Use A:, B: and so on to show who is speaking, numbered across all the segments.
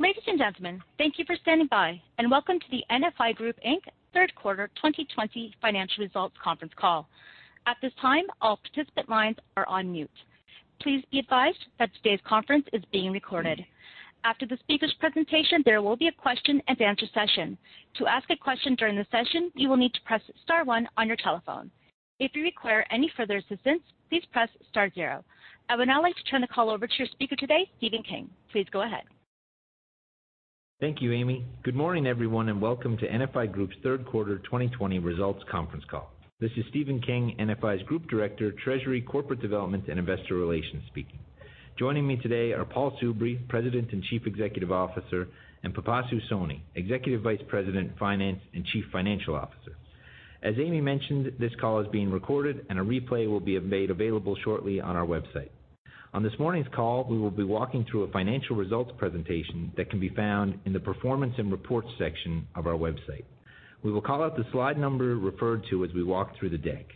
A: Ladies and gentlemen, thank you for standing by and welcome to the NFI Group Inc. Third Quarter 2020 Financial Results Conference Call. At this time all participant lines are on mute. Please be advised that today's conference is being recorded. After the speaker's presentation, there will be question and answer session. To ask a question during the session, you will need to press star one on your telephone. If you require any further assisstance please press star zero. I would now like to turn the call over to your speaker today, Stephen King. Please go ahead.
B: Thank you, Amy. Good morning, everyone, and welcome to NFI Group's Third Quarter 2020 Results Conference Call. This is Stephen King, NFI's Group Director, Treasury, Corporate Development, and Investor Relations speaking. Joining me today are Paul Soubry, President and Chief Executive Officer, and Pipasu Soni, Executive Vice President, Finance, and Chief Financial Officer. As Amy mentioned, this call is being recorded and a replay will be made available shortly on our website. On this morning's call, we will be walking through a financial results presentation that can be found in the performance and reports section of our website. We will call out the slide number referred to as we walk through the deck.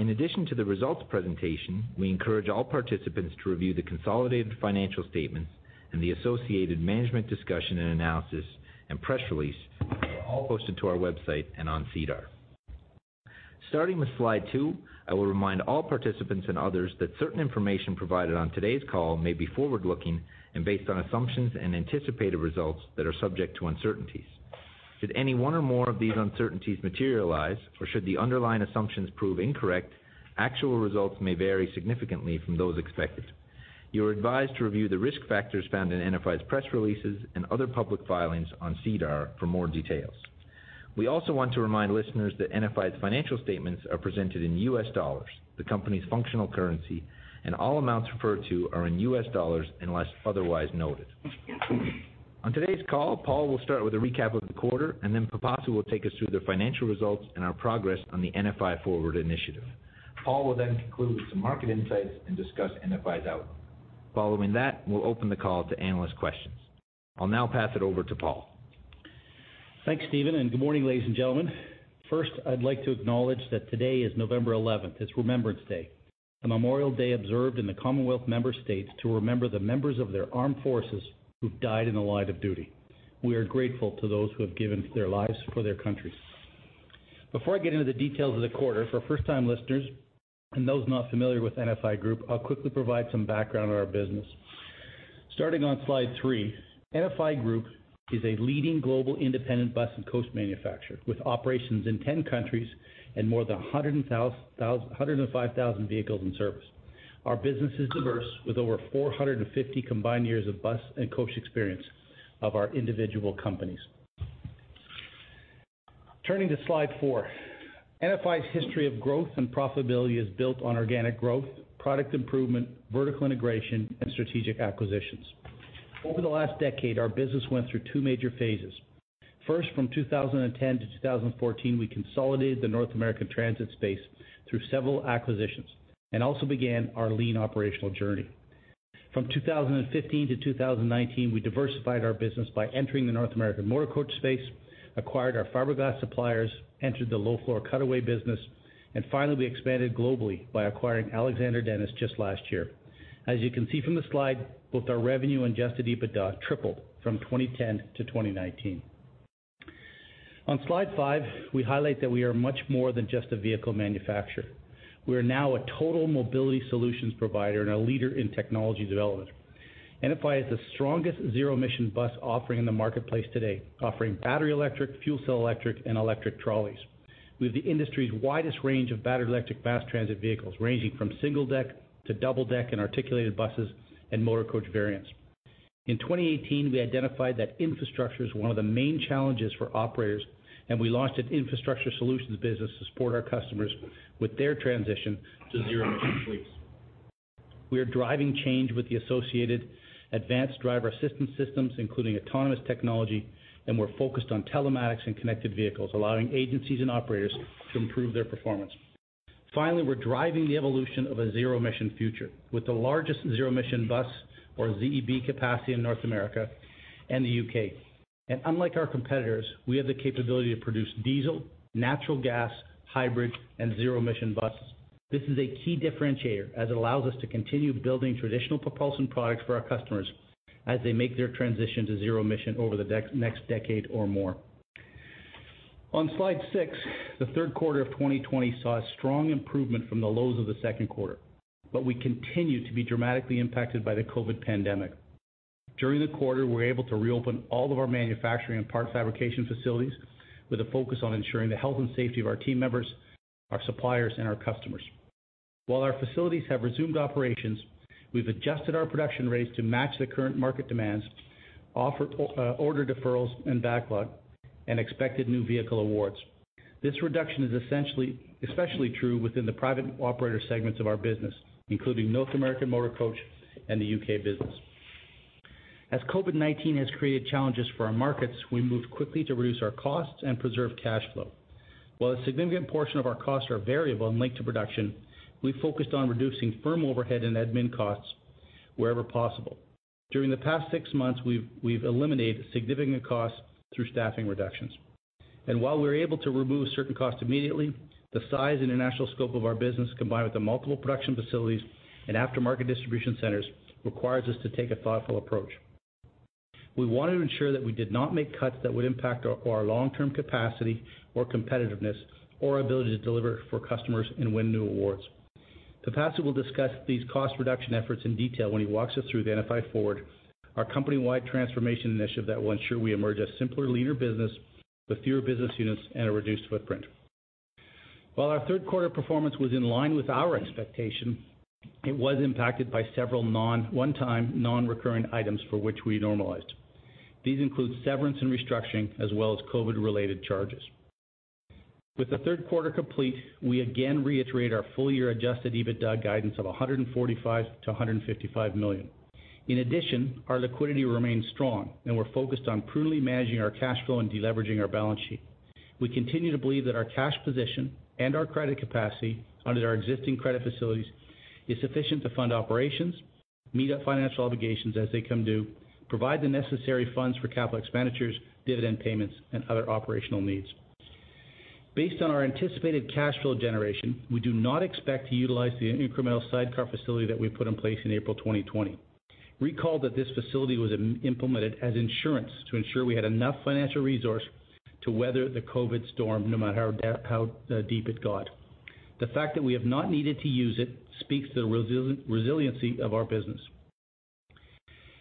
B: In addition to the results presentation, we encourage all participants to review the consolidated financial statements and the associated management discussion and analysis and press release that are all posted to our website and on SEDAR. Starting with slide 2, I will remind all participants and others that certain information provided on today's call may be forward-looking and based on assumptions and anticipated results that are subject to uncertainties. Should any one or more of these uncertainties materialize, or should the underlying assumptions prove incorrect, actual results may vary significantly from those expected. You are advised to review the risk factors found in NFI's press releases and other public filings on SEDAR for more details. We also want to remind listeners that NFI's financial statements are presented in US dollars, the company's functional currency, and all amounts referred to are in US dollars unless otherwise noted. On today's call, Paul will start with a recap of the quarter, and then Pipasu will take us through the financial results and our progress on the NFI Forward initiative. Paul will then conclude with some market insights and discuss NFI's outlook. Following that, we'll open the call to analyst questions. I'll now pass it over to Paul.
C: Thanks, Stephen, and good morning, ladies and gentlemen. First, I'd like to acknowledge that today is November 11th. It's Remembrance Day, a memorial day observed in the Commonwealth member states to remember the members of their armed forces who've died in the line of duty. We are grateful to those who have given their lives for their country. Before I get into the details of the quarter, for first-time listeners and those not familiar with NFI Group, I'll quickly provide some background on our business. Starting on slide three, NFI Group is a leading global independent bus and coach manufacturer with operations in 10 countries and more than 105,000 vehicles in service. Our business is diverse with over 450 combined years of bus and coach experience of our individual companies. Turning to slide four, NFI's history of growth and profitability is built on organic growth, product improvement, vertical integration, and strategic acquisitions. Over the last decade, our business went through two major phases. First, from 2010-2014, we consolidated the North American transit space through several acquisitions and also began our lean operational journey. From 2015-2019, we diversified our business by entering the North American motor coach space, acquired our fiberglass suppliers, entered the low-floor cutaway business, and finally, we expanded globally by acquiring Alexander Dennis just last year. As you can see from the slide, both our revenue and adjusted EBITDA tripled from 2010-2019. On slide five, we highlight that we are much more than just a vehicle manufacturer. We are now a total mobility solutions provider and a leader in technology development. NFI has the strongest zero-emission bus offering in the marketplace today, offering battery electric, fuel cell electric, and electric trolleys. We have the industry's widest range of battery electric mass transit vehicles, ranging from single-deck to double-deck and articulated buses and motor coach variants. In 2018, we identified that infrastructure is one of the main challenges for operators, and we launched an infrastructure solutions business to support our customers with their transition to zero-emission fleets. We are driving change with the associated advanced driver assistance systems, including autonomous technology, and we're focused on telematics and connected vehicles, allowing agencies and operators to improve their performance. Finally, we're driving the evolution of a zero-emission future with the largest zero-emission bus or ZEB capacity in North America and the U.K. Unlike our competitors, we have the capability to produce diesel, natural gas, hybrid, and zero-emission buses. This is a key differentiator as it allows us to continue building traditional propulsion products for our customers as they make their transition to zero emission over the next decade or more. On slide 6, the third quarter of 2020 saw a strong improvement from the lows of the second quarter. We continue to be dramatically impacted by the COVID pandemic. During the quarter, we were able to reopen all of our manufacturing and parts fabrication facilities with a focus on ensuring the health and safety of our team members, our suppliers, and our customers. While our facilities have resumed operations, we've adjusted our production rates to match the current market demands, order deferrals and backlog, and expected new vehicle awards. This reduction is especially true within the private operator segments of our business, including North American Motor Coach and the U.K. business. As COVID-19 has created challenges for our markets, we moved quickly to reduce our costs and preserve cash flow. While a significant portion of our costs are variable and linked to production, we focused on reducing firm overhead and admin costs wherever possible. During the past six months, we've eliminated significant costs through staffing reductions. While we were able to remove certain costs immediately, the size and the national scope of our business, combined with the multiple production facilities and aftermarket distribution centers, requires us to take a thoughtful approach. We wanted to ensure that we did not make cuts that would impact our long-term capacity or competitiveness or ability to deliver for customers and win new awards. Pipasu will discuss these cost reduction efforts in detail when he walks us through the NFI Forward, our company-wide transformation initiative that will ensure we emerge a simpler, leaner business with fewer business units and a reduced footprint. While our third quarter performance was in line with our expectation, it was impacted by several one-time, non-recurring items for which we normalized. These include severance and restructuring as well as COVID-related charges. With the third quarter complete, we again reiterate our full-year adjusted EBITDA guidance of $145 million-$155 million. In addition, our liquidity remains strong and we're focused on prudently managing our cash flow and de-leveraging our balance sheet. We continue to believe that our cash position and our credit capacity under our existing credit facilities is sufficient to fund operations, meet our financial obligations as they come due, provide the necessary funds for capital expenditures, dividend payments, and other operational needs. Based on our anticipated cash flow generation, we do not expect to utilize the incremental sidecar facility that we put in place in April 2020. Recall that this facility was implemented as insurance to ensure we had enough financial resource to weather the COVID storm, no matter how deep it got. The fact that we have not needed to use it speaks to the resiliency of our business.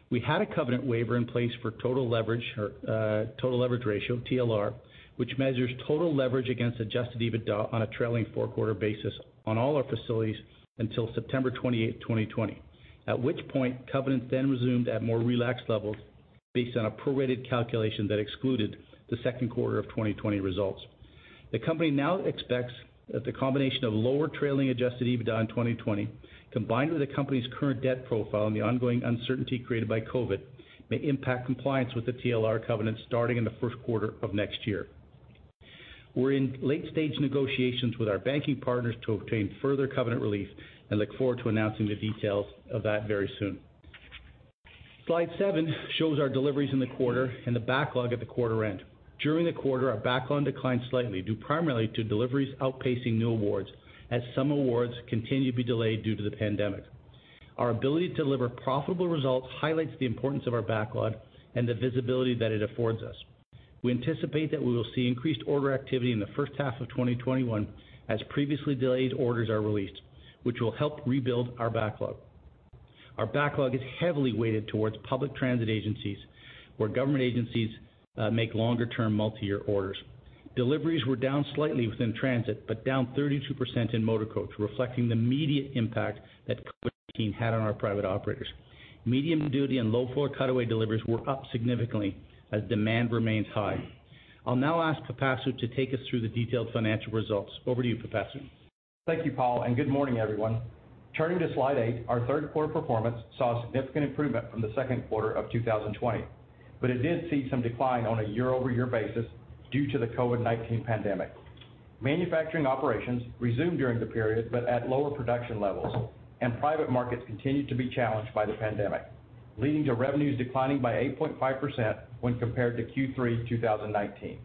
C: We had a covenant waiver in place for total leverage ratio, TLR, which measures total leverage against adjusted EBITDA on a trailing four-quarter basis on all our facilities until September 28th, 2020. At which point, covenants then resumed at more relaxed levels based on a prorated calculation that excluded the second quarter of 2020 results. The company now expects that the combination of lower trailing adjusted EBITDA in 2020, combined with the company's current debt profile and the ongoing uncertainty created by COVID, may impact compliance with the TLR covenant starting in the first quarter of next year. We're in late-stage negotiations with our banking partners to obtain further covenant relief and look forward to announcing the details of that very soon. Slide seven shows our deliveries in the quarter and the backlog at the quarter end. During the quarter, our backlog declined slightly, due primarily to deliveries outpacing new awards as some awards continue to be delayed due to the pandemic. Our ability to deliver profitable results highlights the importance of our backlog and the visibility that it affords us. We anticipate that we will see increased order activity in the first half of 2021 as previously delayed orders are released, which will help rebuild our backlog. Our backlog is heavily weighted towards public transit agencies, where government agencies make longer-term multi-year orders. Deliveries were down slightly within transit, but down 32% in motor coach, reflecting the immediate impact that COVID-19 had on our private operators. Medium-duty and low-floor cutaway deliveries were up significantly as demand remains high. I'll now ask Pipasu to take us through the detailed financial results. Over to you, Pipasu.
D: Thank you, Paul, and good morning, everyone. Turning to slide eight, our third quarter performance saw a significant improvement from the second quarter of 2020. It did see some decline on a year-over-year basis due to the COVID-19 pandemic. Manufacturing operations resumed during the period but at lower production levels, and private markets continued to be challenged by the pandemic, leading to revenues declining by 8.5% when compared to Q3 2019.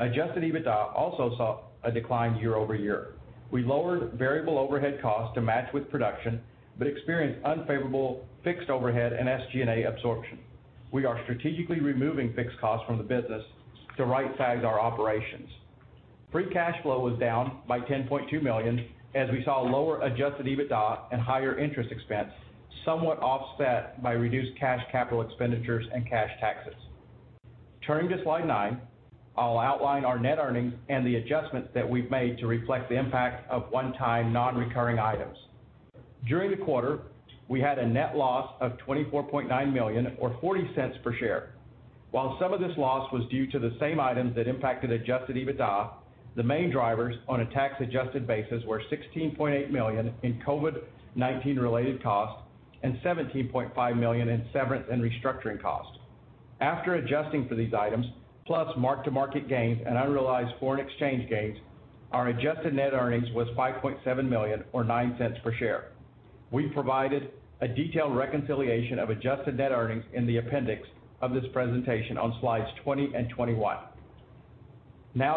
D: Adjusted EBITDA also saw a decline year-over-year. We lowered variable overhead costs to match with production but experienced unfavorable fixed overhead and SG&A absorption. We are strategically removing fixed costs from the business to right-size our operations. Free cash flow was down by $10.2 million as we saw lower adjusted EBITDA and higher interest expense, somewhat offset by reduced cash capital expenditures and cash taxes. Turning to slide nine, I'll outline our net earnings and the adjustments that we've made to reflect the impact of one-time, non-recurring items. During the quarter, we had a net loss of $24.9 million or $0.40 per share. While some of this loss was due to the same items that impacted adjusted EBITDA, the main drivers on a tax-adjusted basis were $16.8 million in COVID-19-related costs and $17.5 million in severance and restructuring costs. After adjusting for these items, plus mark-to-market gains and unrealized foreign exchange gains, our adjusted net earnings was $5.7 million or $0.09 per share. We provided a detailed reconciliation of adjusted net earnings in the appendix of this presentation on slides 20 and 21.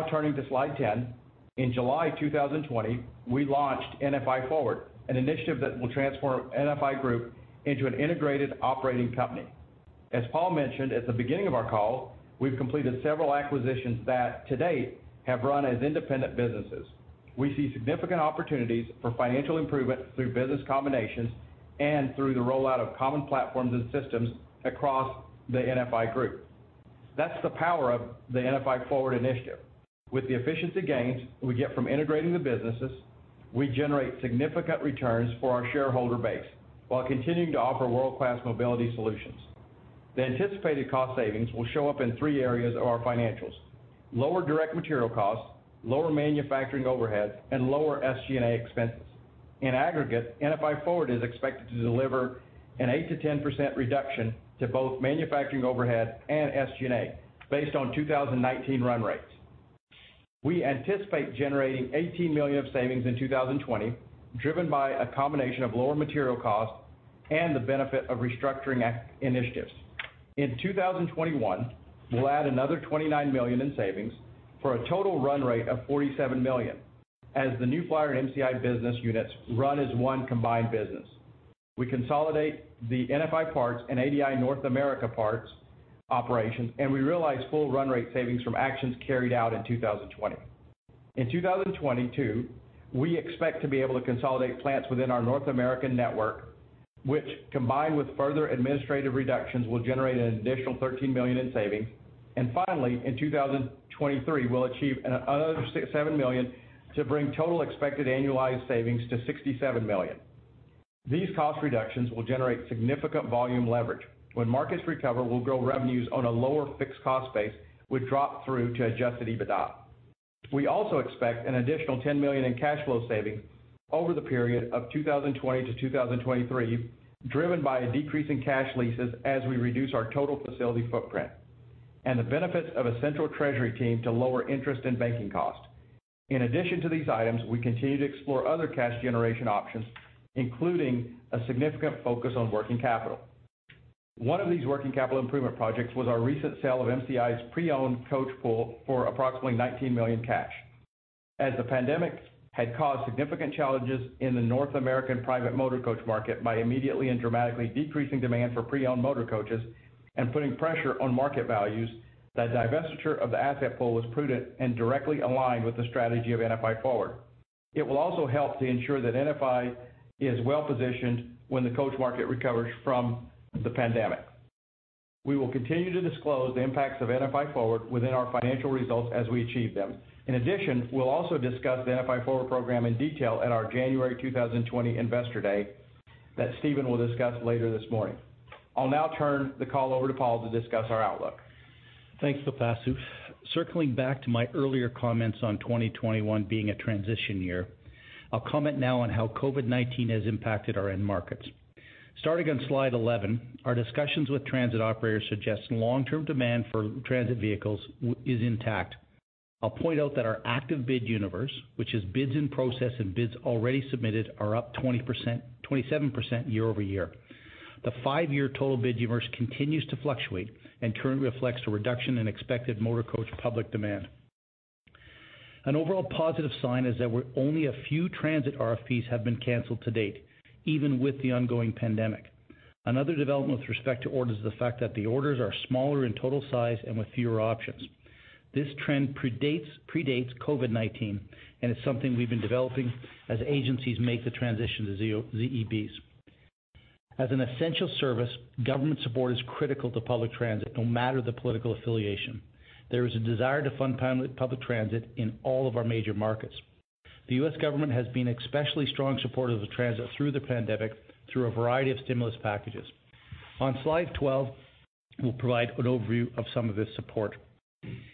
D: Turning to slide 10, in July 2020, we launched NFI Forward, an initiative that will transform NFI Group into an integrated operating company. As Paul mentioned at the beginning of our call, we've completed several acquisitions that to date have run as independent businesses. We see significant opportunities for financial improvement through business combinations and through the rollout of common platforms and systems across the NFI Group. That's the power of the NFI Forward initiative. With the efficiency gains we get from integrating the businesses, we generate significant returns for our shareholder base while continuing to offer world-class mobility solutions. The anticipated cost savings will show up in three areas of our financials: lower direct material costs, lower manufacturing overhead, and lower SG&A expenses. In aggregate, NFI Forward is expected to deliver an 8%-10% reduction to both manufacturing overhead and SG&A based on 2019 run rates. We anticipate generating $ 18 million of savings in 2020, driven by a combination of lower material costs and the benefit of restructuring initiatives. In 2021, we'll add another $29 million in savings for a total run rate of $47 million, as the New Flyer and MCI business units run as one combined business. We consolidate the NFI Parts and ADL North America Parts operations, and we realize full run rate savings from actions carried out in 2020. In 2022, we expect to be able to consolidate plants within our North American network, which, combined with further administrative reductions, will generate an additional $13 million in savings. Finally, in 2023, we'll achieve another $7 million to bring total expected annualized savings to $67 million. These cost reductions will generate significant volume leverage. When markets recover, we'll grow revenues on a lower fixed cost base, which drop through to adjusted EBITDA. We also expect an additional $10 million in cash flow savings over the period of 2020-2023, driven by a decrease in cash leases as we reduce our total facility footprint, and the benefits of a central treasury team to lower interest and banking cost. In addition to these items, we continue to explore other cash generation options, including a significant focus on working capital. One of these working capital improvement projects was our recent sale of MCI's pre-owned coach pool for approximately $19 million cash. As the pandemic had caused significant challenges in the North American private motor coach market by immediately and dramatically decreasing demand for pre-owned motor coaches and putting pressure on market values, the divestiture of the asset pool was prudent and directly aligned with the strategy of NFI Forward. It will also help to ensure that NFI is well-positioned when the coach market recovers from the pandemic. We will continue to disclose the impacts of NFI Forward within our financial results as we achieve them. In addition, we'll also discuss the NFI Forward program in detail at our January 2020 Investor Day that Stephen will discuss later this morning. I'll now turn the call over to Paul to discuss our outlook.
C: Thanks, Pipasu. Circling back to my earlier comments on 2021 being a transition year, I'll comment now on how COVID-19 has impacted our end markets. Starting on slide 11, our discussions with transit operators suggest long-term demand for transit vehicles is intact. I'll point out that our active bid universe, which is bids in process and bids already submitted, are up 27% year-over-year. The five-year total bid universe continues to fluctuate and currently reflects a reduction in expected motor coach public demand. An overall positive sign is that only a few transit RFPs have been canceled to date, even with the ongoing pandemic. Another development with respect to orders is the fact that the orders are smaller in total size and with fewer options. This trend predates COVID-19, and it's something we've been developing as agencies make the transition to ZEBs. As an essential service, government support is critical to public transit, no matter the political affiliation. There is a desire to fund public transit in all of our major markets. The U.S. government has been especially strong supporter of the transit through the pandemic through a variety of stimulus packages. On slide 12, we'll provide an overview of some of this support.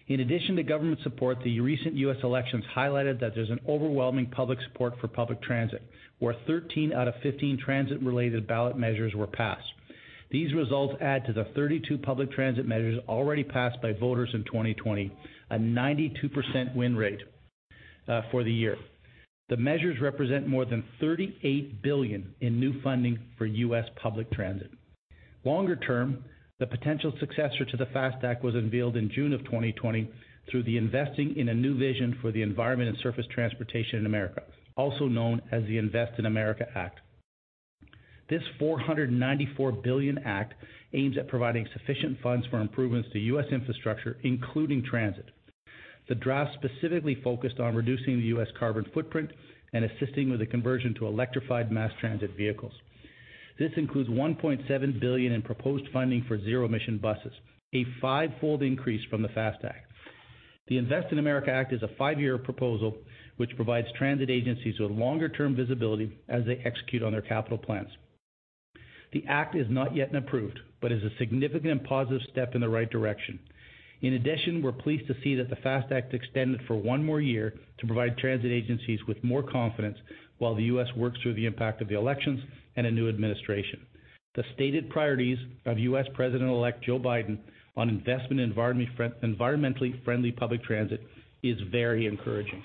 C: In addition to government support, the recent U.S. elections highlighted that there's an overwhelming public support for public transit, where 13 out of 15 transit-related ballot measures were passed. These results add to the 32 public transit measures already passed by voters in 2020, a 92% win rate for the year. The measures represent more than $38 billion in new funding for U.S. public transit. Longer term, the potential successor to the FAST Act was unveiled in June of 2020 through the Investing in a New Vision for the Environment and Surface Transportation in America, also known as the Invest in America Act. This $494 billion act aims at providing sufficient funds for improvements to U.S. infrastructure, including transit. The draft specifically focused on reducing the U.S. carbon footprint and assisting with the conversion to electrified mass transit vehicles. This includes $1.7 billion in proposed funding for zero-emission buses, a five-fold increase from the FAST Act. The Invest in America Act is a five-year proposal which provides transit agencies with longer-term visibility as they execute on their capital plans. The act is not yet approved but is a significant and positive step in the right direction. In addition, we're pleased to see that the FAST Act extended for one more year to provide transit agencies with more confidence while the U.S. works through the impact of the elections and a new administration. The stated priorities of U.S. President-elect Joe Biden on investment in environmentally friendly public transit is very encouraging.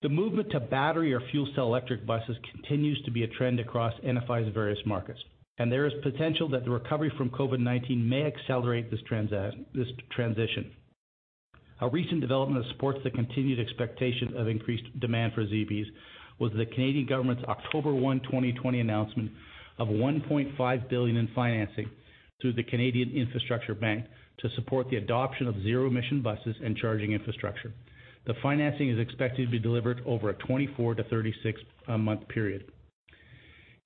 C: The movement to battery or fuel cell electric buses continues to be a trend across NFI's various markets, and there is potential that the recovery from COVID-19 may accelerate this transition. A recent development that supports the continued expectation of increased demand for ZEBs was the Canadian government's October 1, 2020, announcement of 1.5 billion in financing through the Canada Infrastructure Bank to support the adoption of zero-emission buses and charging infrastructure. The financing is expected to be delivered over a 24 to 36-month period.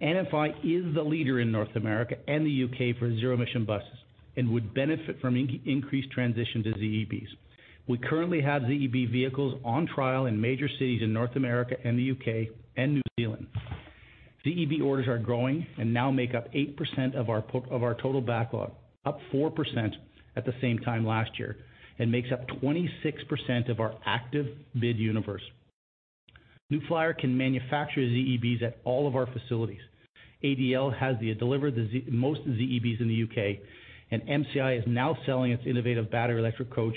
C: NFI is the leader in North America and the U.K. for zero-emission buses and would benefit from increased transition to ZEBs. We currently have ZEB vehicles on trial in major cities in North America and the U.K. and New Zealand. ZEB orders are growing and now make up 8% of our total backlog, up 4% at the same time last year, and makes up 26% of our active bid universe. New Flyer can manufacture ZEBs at all of our facilities. ADL has delivered the most ZEBs in the U.K., and MCI is now selling its innovative battery electric coach,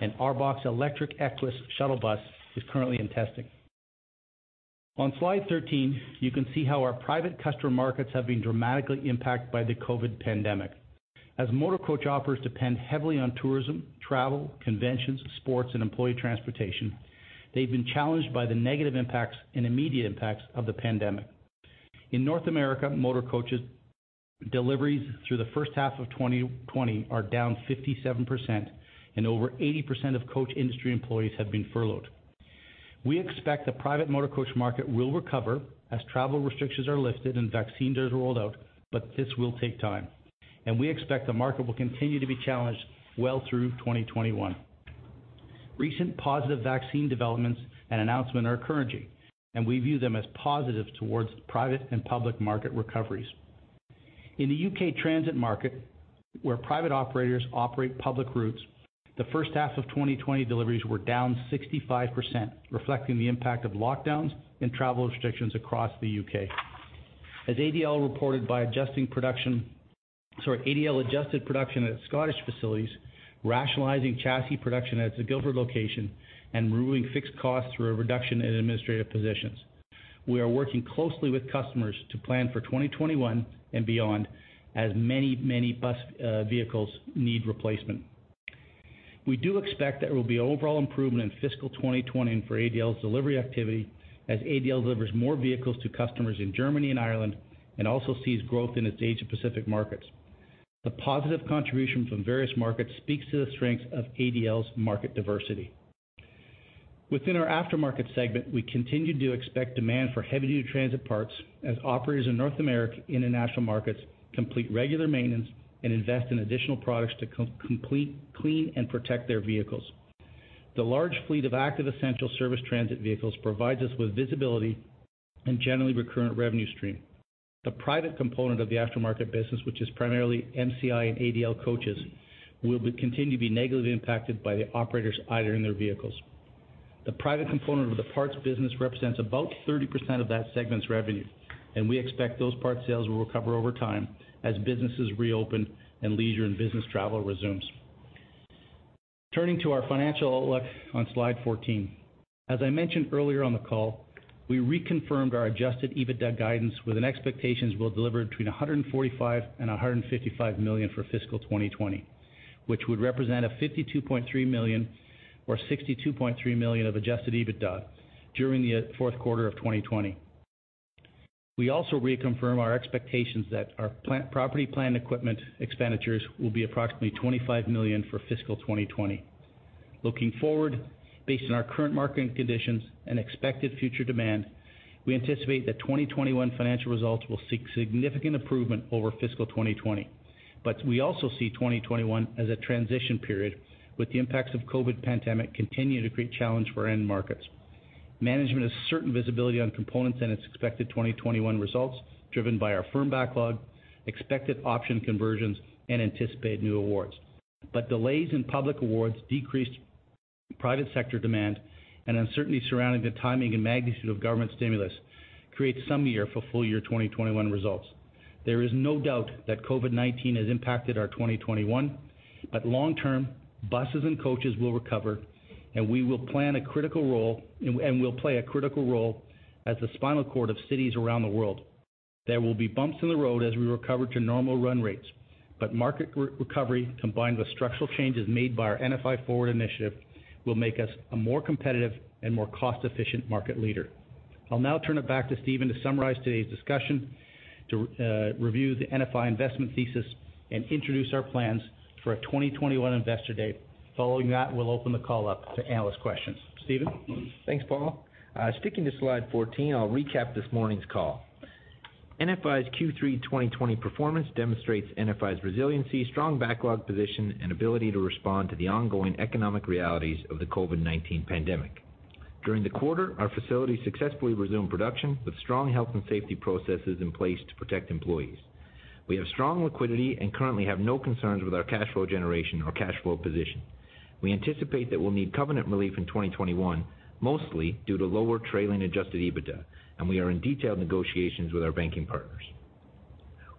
C: and ARBOC electric Equess shuttle bus is currently in testing. On slide 13, you can see how our private customer markets have been dramatically impacted by the COVID pandemic. As motor coach offers depend heavily on tourism, travel, conventions, sports, and employee transportation, they've been challenged by the negative impacts and immediate impacts of the pandemic. In North America, motor coaches deliveries through the first half of 2020 are down 57%, and over 80% of coach industry employees have been furloughed. We expect the private motor coach market will recover as travel restrictions are lifted and vaccines are rolled out, but this will take time, and we expect the market will continue to be challenged well through 2021. Recent positive vaccine developments and announcement are occurring, and we view them as positive towards private and public market recoveries. In the U.K. transit market, where private operators operate public routes, the first half of 2020 deliveries were down 65%, reflecting the impact of lockdowns and travel restrictions across the U.K. ADL adjusted production at its Scottish facilities, rationalizing chassis production at the Guildford location, and removing fixed costs through a reduction in administrative positions. We are working closely with customers to plan for 2021 and beyond, as many bus vehicles need replacement. We do expect that there will be overall improvement in fiscal 2020 for ADL's delivery activity, as ADL delivers more vehicles to customers in Germany and Ireland and also sees growth in its Asia Pacific markets. The positive contribution from various markets speaks to the strength of ADL's market diversity. Within our aftermarket segment, we continue to expect demand for heavy-duty transit parts as operators in North America, international markets complete regular maintenance and invest in additional products to complete clean and protect their vehicles. The large fleet of active essential service transit vehicles provides us with visibility and generally recurrent revenue stream. The private component of the aftermarket business, which is primarily MCI and ADL coaches, will continue to be negatively impacted by the operators idling their vehicles. The private component of the parts business represents about 30% of that segment's revenue, and we expect those parts sales will recover over time as businesses reopen and leisure and business travel resumes. Turning to our financial outlook on slide 14. As I mentioned earlier on the call, I reconfirmed our adjusted EBITDA guidance with an expectations we'll deliver between $145 million and $155 million for fiscal 2020, which would represent a $52.3 million or $62.3 million of adjusted EBITDA during the fourth quarter of 2020. We also reconfirm our expectations that our property, plant, and equipment expenditures will be approximately $25 million for fiscal 2020. Looking forward, based on our current marketing conditions and expected future demand, we anticipate that 2021 financial results will see significant improvement over fiscal 2020. We also see 2021 as a transition period with the impacts of COVID pandemic continuing to create challenges for our end markets. Management has certain visibility on components and its expected 2021 results driven by our firm backlog, expected option conversions, and anticipated new awards. Delays in public awards, decreased private sector demand, and uncertainty surrounding the timing and magnitude of government stimulus creates some uncertainty for full year 2021 results. There is no doubt that COVID-19 has impacted our 2021, but long term, buses and coaches will recover, and we'll play a critical role as the spinal cord of cities around the world. There will be bumps in the road as we recover to normal run rates, but market recovery, combined with structural changes made by our NFI Forward initiative, will make us a more competitive and more cost-efficient market leader. I'll now turn it back to Stephen to summarize today's discussion, to review the NFI investment thesis, and introduce our plans for our 2021 Investor Day. Following that, we'll open the call up to analyst questions. Stephen?
B: Thanks, Paul. Sticking to slide 14, I'll recap this morning's call. NFI's Q3 2020 performance demonstrates NFI's resiliency, strong backlog position, and ability to respond to the ongoing economic realities of the COVID-19 pandemic. During the quarter, our facilities successfully resumed production with strong health and safety processes in place to protect employees. We have strong liquidity and currently have no concerns with our cash flow generation or cash flow position. We anticipate that we'll need covenant relief in 2021, mostly due to lower trailing adjusted EBITDA, and we are in detailed negotiations with our banking partners.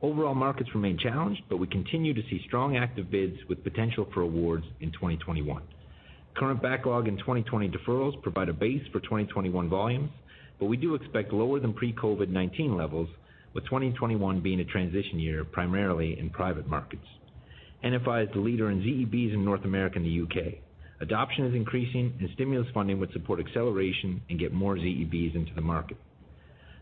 B: Overall markets remain challenged, but we continue to see strong active bids with potential for awards in 2021. Current backlog and 2020 deferrals provide a base for 2021 volumes, but we do expect lower than pre-COVID-19 levels, with 2021 being a transition year primarily in private markets. NFI is the leader in ZEBs in North America and the U.K. Adoption is increasing. Stimulus funding would support acceleration and get more ZEBs into the market.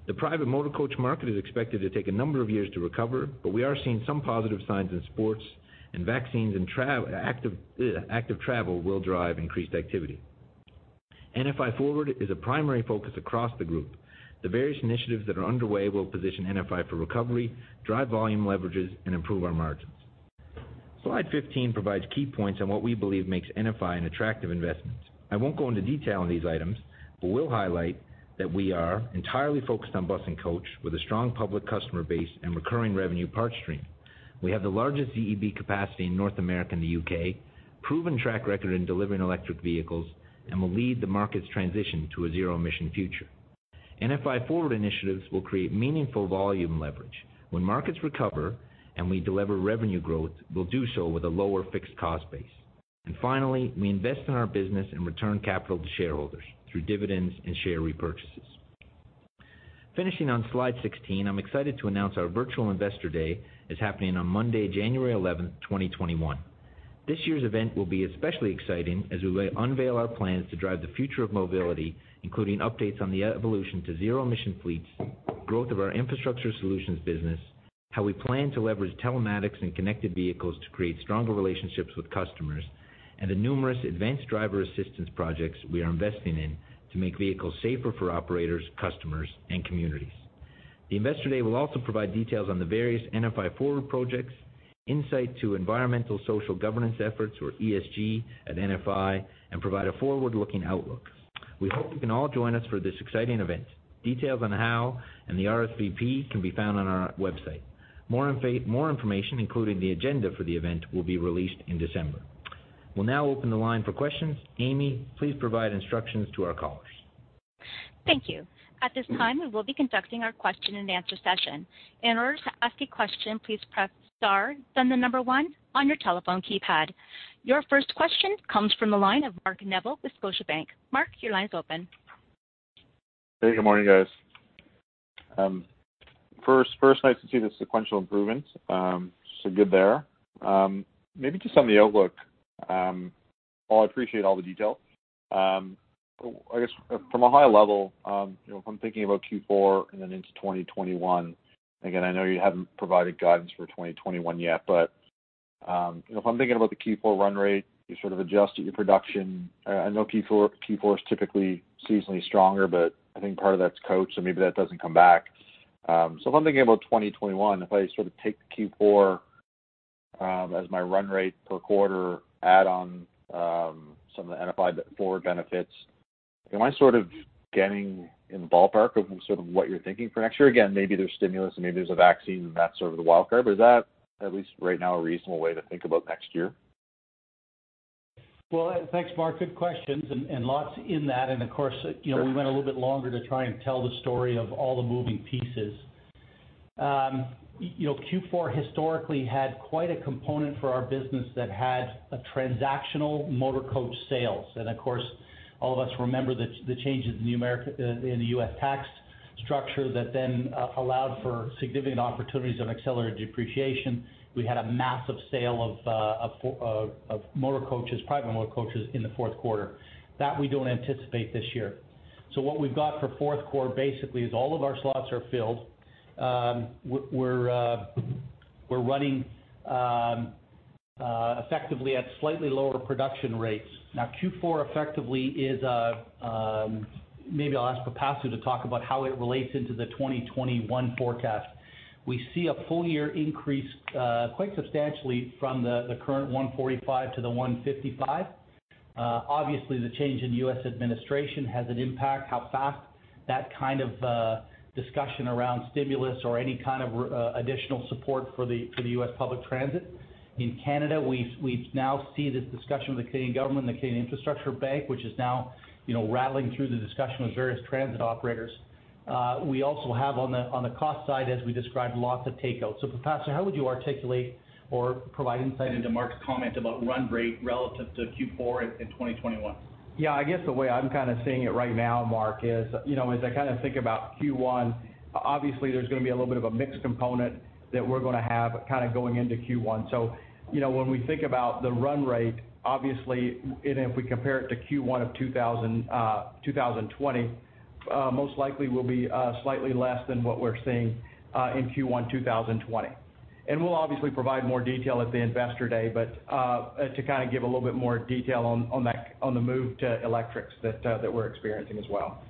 B: The private motor coach market is expected to take a number of years to recover, but we are seeing some positive signs in sports, and vaccines and active travel will drive increased activity. NFI Forward is a primary focus across the group. The various initiatives that are underway will position NFI for recovery, drive volume leverages, and improve our margins. Slide 15 provides key points on what we believe makes NFI an attractive investment. I won't go into detail on these items, but we'll highlight that we are entirely focused on bus and coach with a strong public customer base and recurring revenue parts stream. We have the largest ZEB capacity in North America and the U.K., proven track record in delivering electric vehicles, and will lead the market's transition to a zero emission future. NFI Forward initiatives will create meaningful volume leverage. When markets recover and we deliver revenue growth, we'll do so with a lower fixed cost base. Finally, we invest in our business and return capital to shareholders through dividends and share repurchases. Finishing on slide 16, I'm excited to announce our virtual Investor Day is happening on Monday, January 11th, 2021. This year's event will be especially exciting as we unveil our plans to drive the future of mobility, including updates on the evolution to zero-emission fleets, growth of our infrastructure solutions business, how we plan to leverage telematics and connected vehicles to create stronger relationships with customers, and the numerous advanced driver assistance projects we are investing in to make vehicles safer for operators, customers, and communities. The Investor Day will also provide details on the various NFI Forward projects, insight to Environmental Social Governance efforts, or ESG, at NFI, and provide a forward-looking outlook. We hope you can all join us for this exciting event. Details on how and the RSVP can be found on our website. More information, including the agenda for the event, will be released in December. We'll now open the line for questions. Amy, please provide instructions to our callers.
A: Thank you. At this time, we will be conducting our question and answer session. In order to ask a question, please press star then the number one on your telephone keypad. Your first question comes from the line of Mark Neville with Scotiabank. Mark, your line's open.
E: Hey, good morning, guys. First, nice to see the sequential improvements, so good there. Maybe just on the outlook, while I appreciate all the detail, I guess from a high level, if I'm thinking about Q4 and then into 2021, again, I know you haven't provided guidance for 2021 yet, but if I'm thinking about the Q4 run rate, you sort of adjusted your production. I know Q4 is typically seasonally stronger, but I think part of that's coach, so maybe that doesn't come back. If I'm thinking about 2021, if I sort of take the Q4 as my run rate per quarter, add on some of the NFI Forward benefits, am I sort of getting in the ballpark of sort of what you're thinking for next year? Again, maybe there's stimulus and maybe there's a vaccine, and that's sort of the wild card. Is that, at least right now, a reasonable way to think about next year?
C: Well, thanks, Mark. Good questions and lots in that. Of course, we went a little bit longer to try and tell the story of all the moving pieces. Q4 historically had quite a component for our business that had a transactional motor coach sales. Of course, all of us remember the changes in the U.S. tax structure that then allowed for significant opportunities on accelerated depreciation. We had a massive sale of private motor coaches in the fourth quarter. That we don't anticipate this year. What we've got for fourth quarter, basically, is all of our slots are filled. We're running effectively at slightly lower production rates. Q4 effectively is, maybe I'll ask Pipasu to talk about how it relates into the 2021 forecast. We see a full year increase quite substantially from the current 145 to the 155. Obviously, the change in U.S. administration has an impact how fast that kind of discussion around stimulus or any kind of additional support for the U.S. public transit. In Canada, we now see this discussion with the Canadian government and the Canada Infrastructure Bank, which is now rattling through the discussion with various transit operators. We also have on the cost side, as we described, lots of takeouts. Pipasu, how would you articulate or provide insight into Mark's comment about run rate relative to Q4 in 2021?
D: Yeah, I guess the way I'm kind of seeing it right now, Mark, is as I kind of think about Q1, obviously there's going to be a little bit of a mixed component that we're going to have kind of going into Q1. When we think about the run rate, obviously, and if we compare it to Q1 of 2020, most likely we'll be slightly less than what we're seeing in Q1 2020. We'll obviously provide more detail at the Investor Day, but to kind of give a little bit more detail on the move to electrics that we're experiencing as well.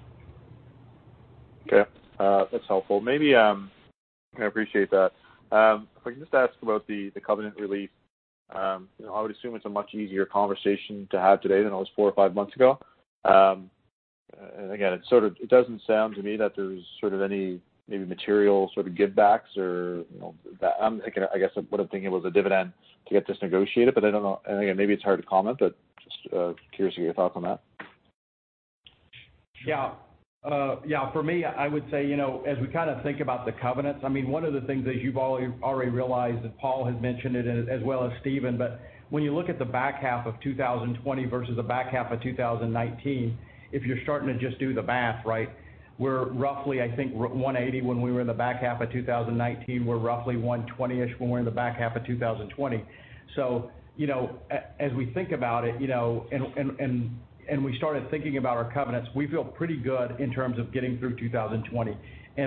E: Okay. That's helpful. I appreciate that. If I could just ask about the covenant relief. I would assume it's a much easier conversation to have today than it was four or five months ago. Again, it doesn't sound to me that there's sort of any maybe material sort of give backs or, I guess what I'm thinking was a dividend to get this negotiated, but I don't know. Again, maybe it's hard to comment, but just curious to get your thoughts on that.
D: Yeah. For me, I would say, as we kind of think about the covenants, one of the things as you've already realized, and Paul has mentioned it, as well as Stephen, when you look at the back half of 2020 versus the back half of 2019, if you're starting to just do the math, right? We're roughly, I think, 180 when we were in the back half of 2019. We're roughly 120-ish when we're in the back half of 2020. As we think about it, and we started thinking about our covenants, we feel pretty good in terms of getting through 2020.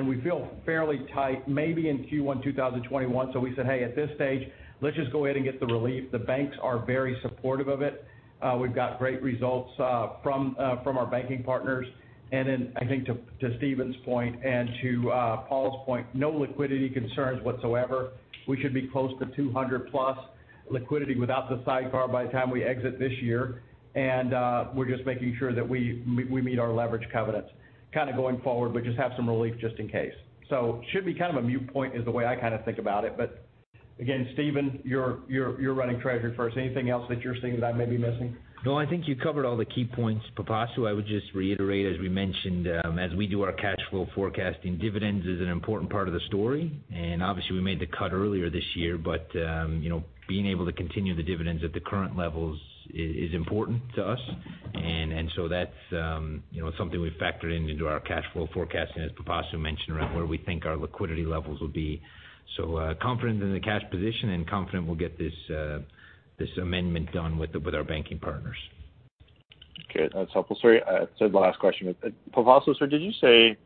D: We feel fairly tight maybe in Q1 2021, we said, "Hey, at this stage, let's just go ahead and get the relief." The banks are very supportive of it. We've got great results from our banking partners. I think to Stephen's point and to Paul's point, no liquidity concerns whatsoever. We should be close to $200 plus. liquidity without the sidecar by the time we exit this year. We're just making sure that we meet our leverage covenants going forward, but just have some relief just in case. Should be a mute point is the way I think about it. Again, Stephen, you're running treasury for us. Anything else that you're seeing that I may be missing?
B: No, I think you covered all the key points, Pipasu. I would just reiterate, as we mentioned, as we do our cash flow forecasting, dividends is an important part of the story. Obviously, we made the cut earlier this year, but being able to continue the dividends at the current levels is important to us. That's something we've factored into our cash flow forecasting, as Pipasu mentioned, around where we think our liquidity levels will be. Confident in the cash position and confident we'll get this amendment done with our banking partners.
E: Okay, that's helpful. Sorry, I said the last question. Pipasu, sir, did you say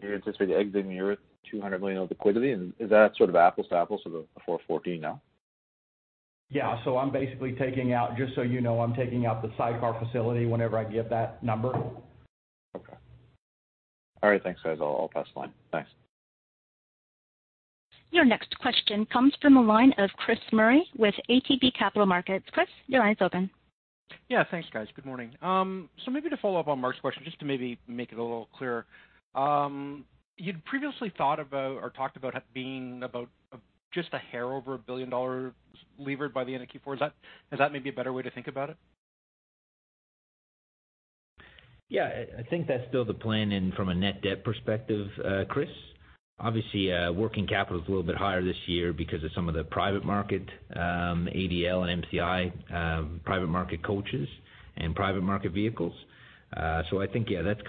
E: you anticipate exiting the year with 200 million of liquidity? Is that apples to apples, the 414 now?
D: Yeah. I'm basically taking out, just so you know, I'm taking out the sidecar facility whenever I give that number.
E: Okay. All right, thanks guys. I'll pass the line. Thanks.
A: Your next question comes from the line of Chris Murray with ATB Capital Markets. Chris, your line's open.
F: Thanks, guys. Good morning. Maybe to follow up on Mark's question, just to maybe make it a little clearer. You'd previously thought about or talked about being about just a hair over 1 billion dollars levered by the end of Q4. Is that maybe a better way to think about it?
B: Yeah, I think that's still the plan and from a net debt perspective, Chris. Obviously, working capital is a little bit higher this year because of some of the private market, ADL and MCI private market coaches and private market vehicles. I think, yeah, that's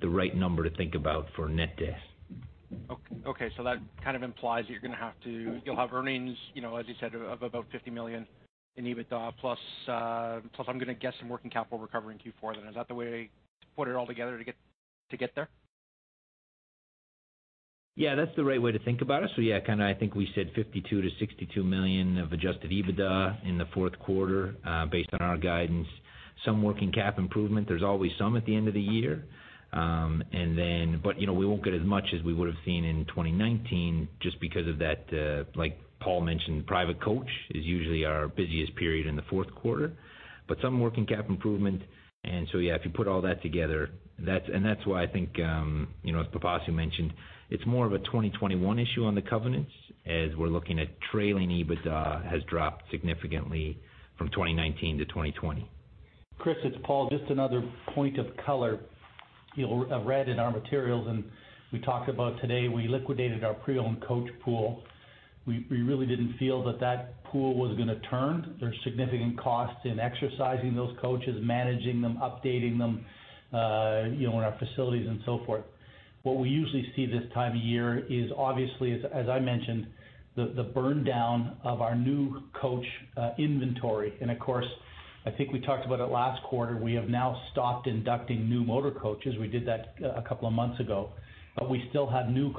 B: the right number to think about for net debt.
F: Okay. That kind of implies that you'll have earnings, as you said, of about $50 million in EBITDA plus I'm going to guess some working capital recovery in Q4 then. Is that the way to put it all together to get there?
B: Yeah, that's the right way to think about it. Yeah, I think we said $52 million-$62 million of adjusted EBITDA in the fourth quarter, based on our guidance. Some working cap improvement. There's always some at the end of the year. We won't get as much as we would've seen in 2019 just because of that, like Paul mentioned, private coach is usually our busiest period in the fourth quarter. Some working cap improvement. Yeah, if you put all that together. That's why I think, as Pipasu mentioned, it's more of a 2021 issue on the covenants as we're looking at trailing EBITDA has dropped significantly from 2019-2020.
C: Chris, it's Paul, just another point of color. You'll have read in our materials and we talked about today, we liquidated our pre-owned coach pool. We really didn't feel that that pool was going to turn. There's significant costs in exercising those coaches, managing them, updating them in our facilities and so forth. What we usually see this time of year is obviously, as I mentioned, the burn down of our new coach inventory. Of course, I think we talked about it last quarter, we have now stopped inducting new motor coaches. We did that a couple of months ago. We still have new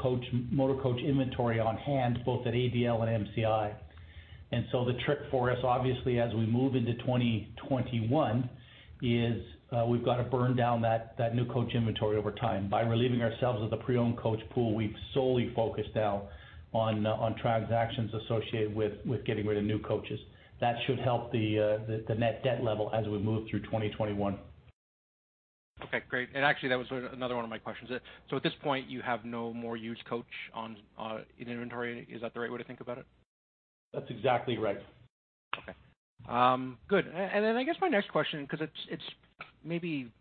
C: motor coach inventory on hand, both at ADL and MCI. The trick for us, obviously, as we move into 2021 is, we've got to burn down that new coach inventory over time. By relieving ourselves of the pre-owned coach pool, we've solely focused now on transactions associated with getting rid of new coaches. That should help the net debt level as we move through 2021.
F: Okay, great. Actually, that was another one of my questions. At this point, you have no more used coach in inventory. Is that the right way to think about it?
C: That's exactly right.
F: Okay. Good. I guess my next question, because it's maybe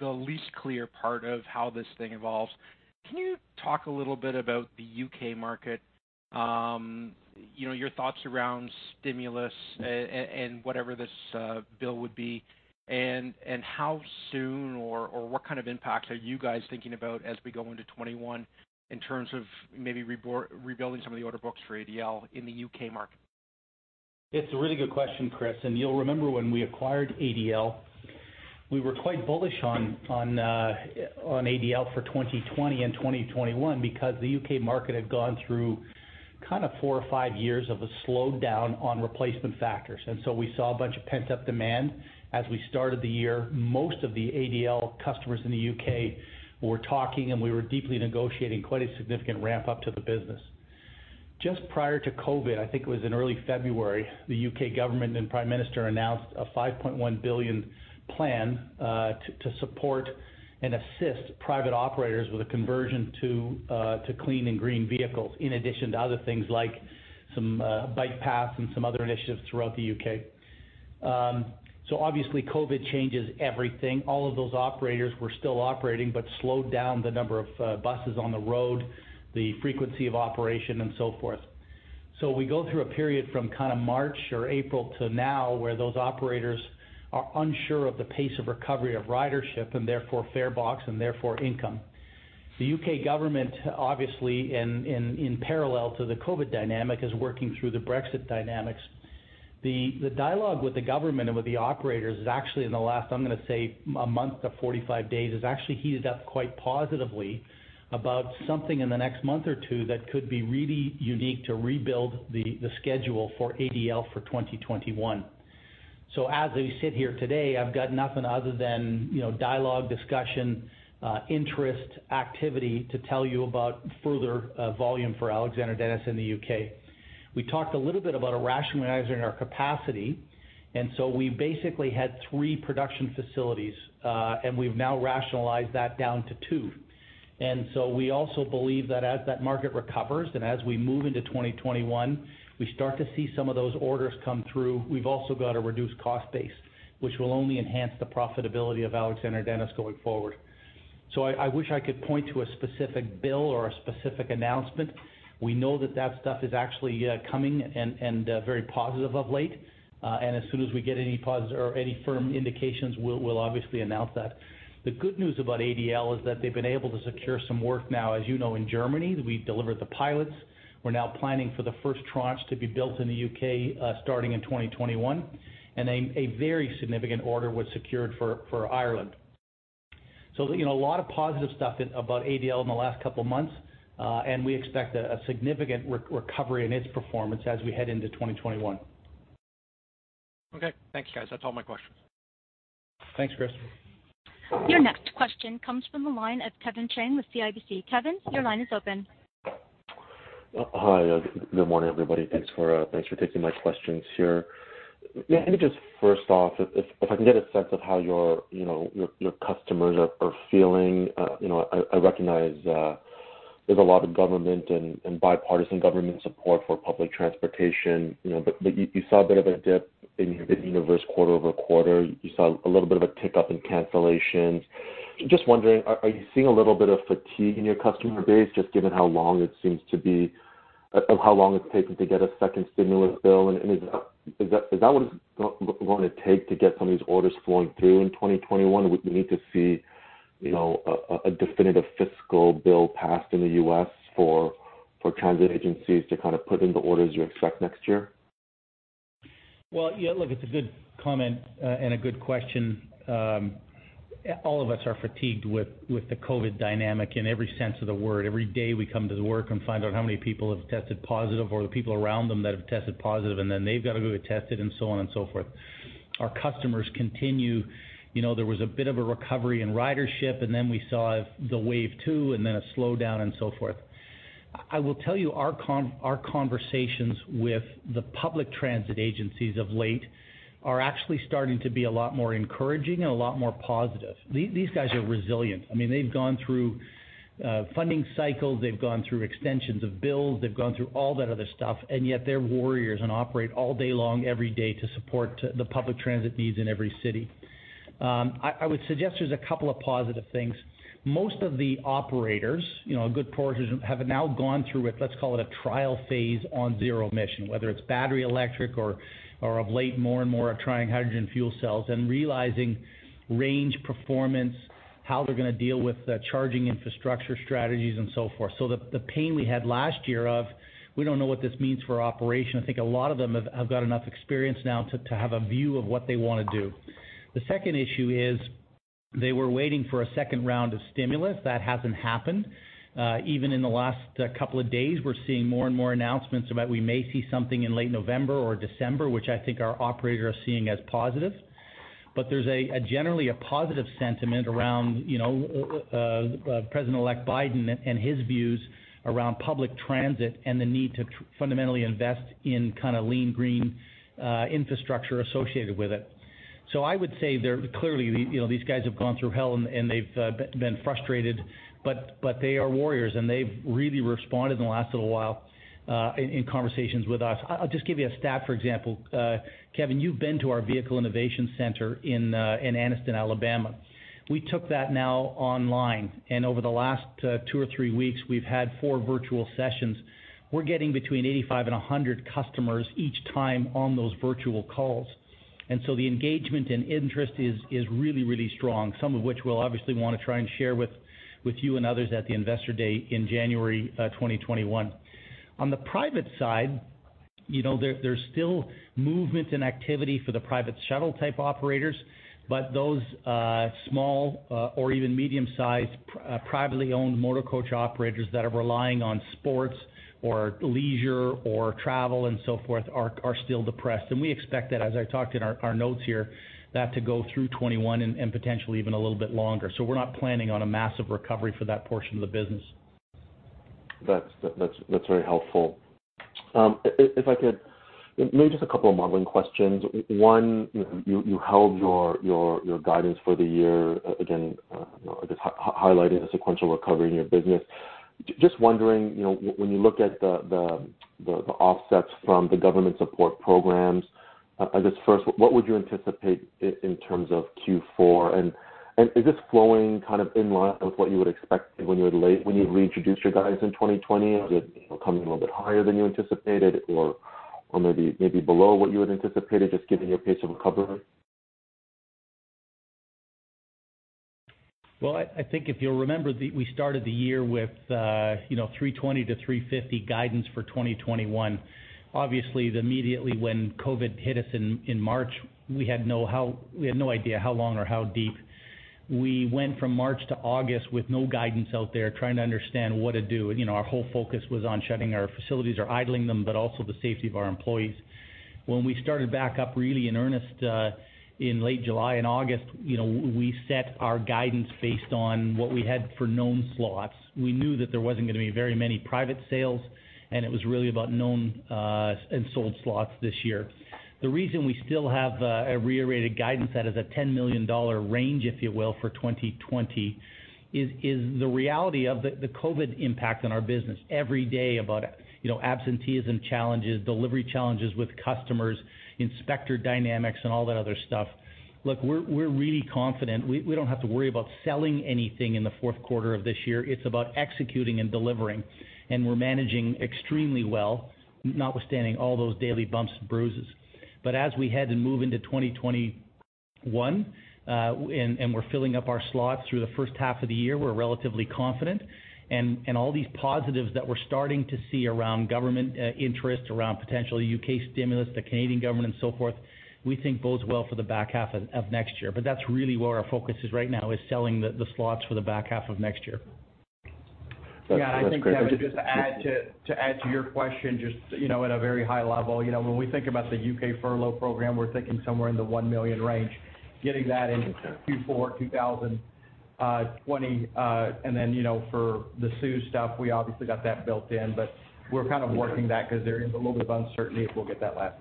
F: the least clear part of how this thing evolves. Can you talk a little bit about the U.K. market? Your thoughts around stimulus and whatever this bill would be, and how soon or what kind of impact are you guys thinking about as we go into 2021 in terms of maybe rebuilding some of the order books for ADL in the U.K. market?
C: It's a really good question, Chris. You'll remember when we acquired ADL, we were quite bullish on ADL for 2020 and 2021 because the U.K. market had gone through four or five years of a slowdown on replacement factors. We saw a bunch of pent-up demand. As we started the year, most of the ADL customers in the U.K. were talking, and we were deeply negotiating quite a significant ramp-up to the business. Just prior to COVID, I think it was in early February, the U.K. government and Prime Minister announced a 5.1 billion plan to support and assist private operators with a conversion to clean and green vehicles, in addition to other things like some bike paths and some other initiatives throughout the U.K. Obviously, COVID changes everything. All of those operators were still operating but slowed down the number of buses on the road, the frequency of operation and so forth. We go through a period from March or April to now where those operators are unsure of the pace of recovery of ridership and therefore fare box and therefore income. The U.K. government, obviously, in parallel to the COVID dynamic, is working through the. The dialogue with the government and with the operators is actually in the last, I'm going to say a month to 45 days, has actually heated up quite positively about something in the next month or two that could be really unique to rebuild the schedule for ADL for 2021. As we sit here today, I've got nothing other than dialogue, discussion, interest, activity to tell you about further volume for Alexander Dennis in the U.K. We talked a little bit about rationalizing our capacity. We basically had three production facilities, and we've now rationalized that down to two. We also believe that as that market recovers and as we move into 2021, we start to see some of those orders come through. We've also got a reduced cost base, which will only enhance the profitability of Alexander Dennis going forward. I wish I could point to a specific bill or a specific announcement. We know that that stuff is actually coming and very positive of late. As soon as we get any firm indications, we'll obviously announce that. The good news about ADL is that they've been able to secure some work now. As you know, in Germany, we delivered the pilots. We're now planning for the first tranche to be built in the U.K., starting in 2021, and a very significant order was secured for Ireland. A lot of positive stuff about ADL in the last couple of months, and we expect a significant recovery in its performance as we head into 2021.
F: Okay, thanks, guys. That's all my questions.
C: Thanks, Chris.
A: Your next question comes from the line of Kevin Chiang with CIBC. Kevin, your line is open.
G: Hi. Good morning, everybody. Thanks for taking my questions here. Yeah, maybe just first off, if I can get a sense of how your customers are feeling. I recognize there is a lot of government and bipartisan government support for public transportation. You saw a bit of a dip in unit universe quarter-over-quarter. You saw a little bit of a tick up in cancellations. Just wondering, are you seeing a little bit of fatigue in your customer base, just given how long it seems to be, of how long it has taken to get a second stimulus bill? Is that what it is going to take to get some of these orders flowing through in 2021? Would we need to see a definitive fiscal bill passed in the U.S. for transit agencies to put in the orders you expect next year?
C: Well, yeah, look, it's a good comment, and a good question. All of us are fatigued with the COVID dynamic in every sense of the word. Every day we come to work and find out how many people have tested positive, or the people around them that have tested positive, and then they've got to go get tested and so on and so forth. Our customers continue. There was a bit of a recovery in ridership, and then we saw the wave two and then a slowdown and so forth. I will tell you, our conversations with the public transit agencies of late are actually starting to be a lot more encouraging and a lot more positive. These guys are resilient. They've gone through funding cycles. They've gone through extensions of bills. They've gone through all that other stuff, and yet they're warriors and operate all day long, every day, to support the public transit needs in every city. I would suggest there's a couple of positive things. Most of the operators, a good portion, have now gone through what, let's call it a trial phase on zero emission, whether it's battery, electric or of late, more and more are trying hydrogen fuel cells and realizing range performance, how they're going to deal with the charging infrastructure strategies and so forth. The pain we had last year of, we don't know what this means for operation, I think a lot of them have got enough experience now to have a view of what they want to do. The second issue is they were waiting for a second round of stimulus. That hasn't happened. Even in the last couple of days, we're seeing more and more announcements about we may see something in late November or December, which I think our operators are seeing as positive. There's generally a positive sentiment around President-elect Biden and his views around public transit and the need to fundamentally invest in lean, green infrastructure associated with it. I would say, clearly these guys have gone through hell and they've been frustrated, but they are warriors, and they've really responded in the last little while in conversations with us. I'll just give you a stat, for example. Kevin, you've been to our Vehicle Innovation Center in Anniston, Alabama. We took that now online, and over the last two or three weeks, we've had four virtual sessions. We're getting between 85 and 100 customers each time on those virtual calls. The engagement and interest is really, really strong, some of which we'll obviously want to try and share with you and others at the Investor Day in January 2021. On the private side, there's still movement and activity for the private shuttle type operators, but those small or even medium-sized, privately owned motor coach operators that are relying on sports or leisure or travel and so forth are still depressed. We expect that, as I talked in our notes here, that to go through 2021 and potentially even a little bit longer. We're not planning on a massive recovery for that portion of the business.
G: That's very helpful. If I could, maybe just a couple of modeling questions. One, you held your guidance for the year, again, just highlighting the sequential recovery in your business. Just wondering, when you look at the offsets from the government support programs, I guess first, what would you anticipate in terms of Q4? And is this flowing in line with what you would expect when you reintroduced your guys in 2020? Is it coming in a little bit higher than you anticipated or maybe below what you had anticipated, just given your pace of recovery?
C: I think if you'll remember, we started the year with 320-350 guidance for 2021. Immediately when COVID hit us in March, we had no idea how long or how deep. We went from March to August with no guidance out there, trying to understand what to do. Our whole focus was on shutting our facilities or idling them, but also the safety of our employees. When we started back up really in earnest in late July and August, we set our guidance based on what we had for known slots. We knew that there wasn't going to be very many private sales, and it was really about known and sold slots this year. The reason we still have a rerated guidance that is a $10 million range, if you will, for 2020, is the reality of the COVID impact on our business every day about absenteeism challenges, delivery challenges with customers, inspector dynamics, and all that other stuff. Look, we're really confident. We don't have to worry about selling anything in the fourth quarter of this year. It's about executing and delivering, and we're managing extremely well, notwithstanding all those daily bumps and bruises. As we head and move into 2021, and we're filling up our slots through the first half of the year, we're relatively confident. All these positives that we're starting to see around government interest, around potential U.K. stimulus, the Canadian government, and so forth, we think bodes well for the back half of next year. That's really where our focus is right now, is selling the slots for the back half of next year.
G: That's great.
D: Yeah, I think, Kevin, just to add to your question, just at a very high level, when we think about the U.K. furlough program, we're thinking somewhere in the 1 million range, getting that in before 2020. For the CEWS stuff, we obviously got that built in, but we're kind of working that because there is a little bit of uncertainty if we'll get that last.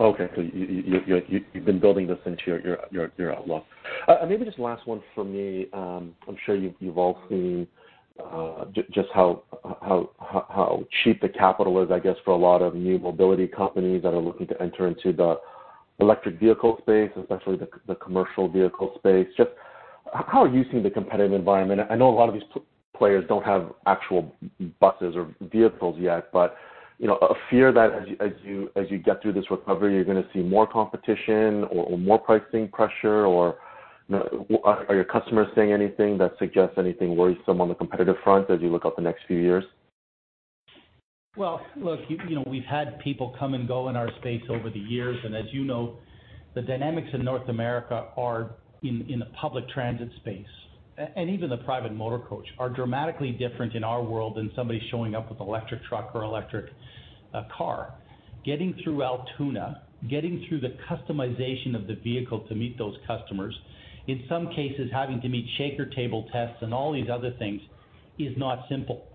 G: Okay, you've been building this into your outlook. Maybe just last one from me. I'm sure you've all seen just how cheap the capital is, I guess, for a lot of new mobility companies that are looking to enter into the electric vehicle space, especially the commercial vehicle space. Just how are you seeing the competitive environment? I know a lot of these players don't have actual buses or vehicles yet, but a fear that as you get through this recovery, you're going to see more competition or more pricing pressure? Or are your customers saying anything that suggests anything worrisome on the competitive front as you look out the next few years?
C: Well, look, we've had people come and go in our space over the years. As you know, the dynamics in North America are in the public transit space, and even the private motor coach, are dramatically different in our world than somebody showing up with an electric truck or an electric car. Getting through Altoona, getting through the customization of the vehicle to meet those customers, in some cases, having to meet shaker table tests and all these other things is not simple.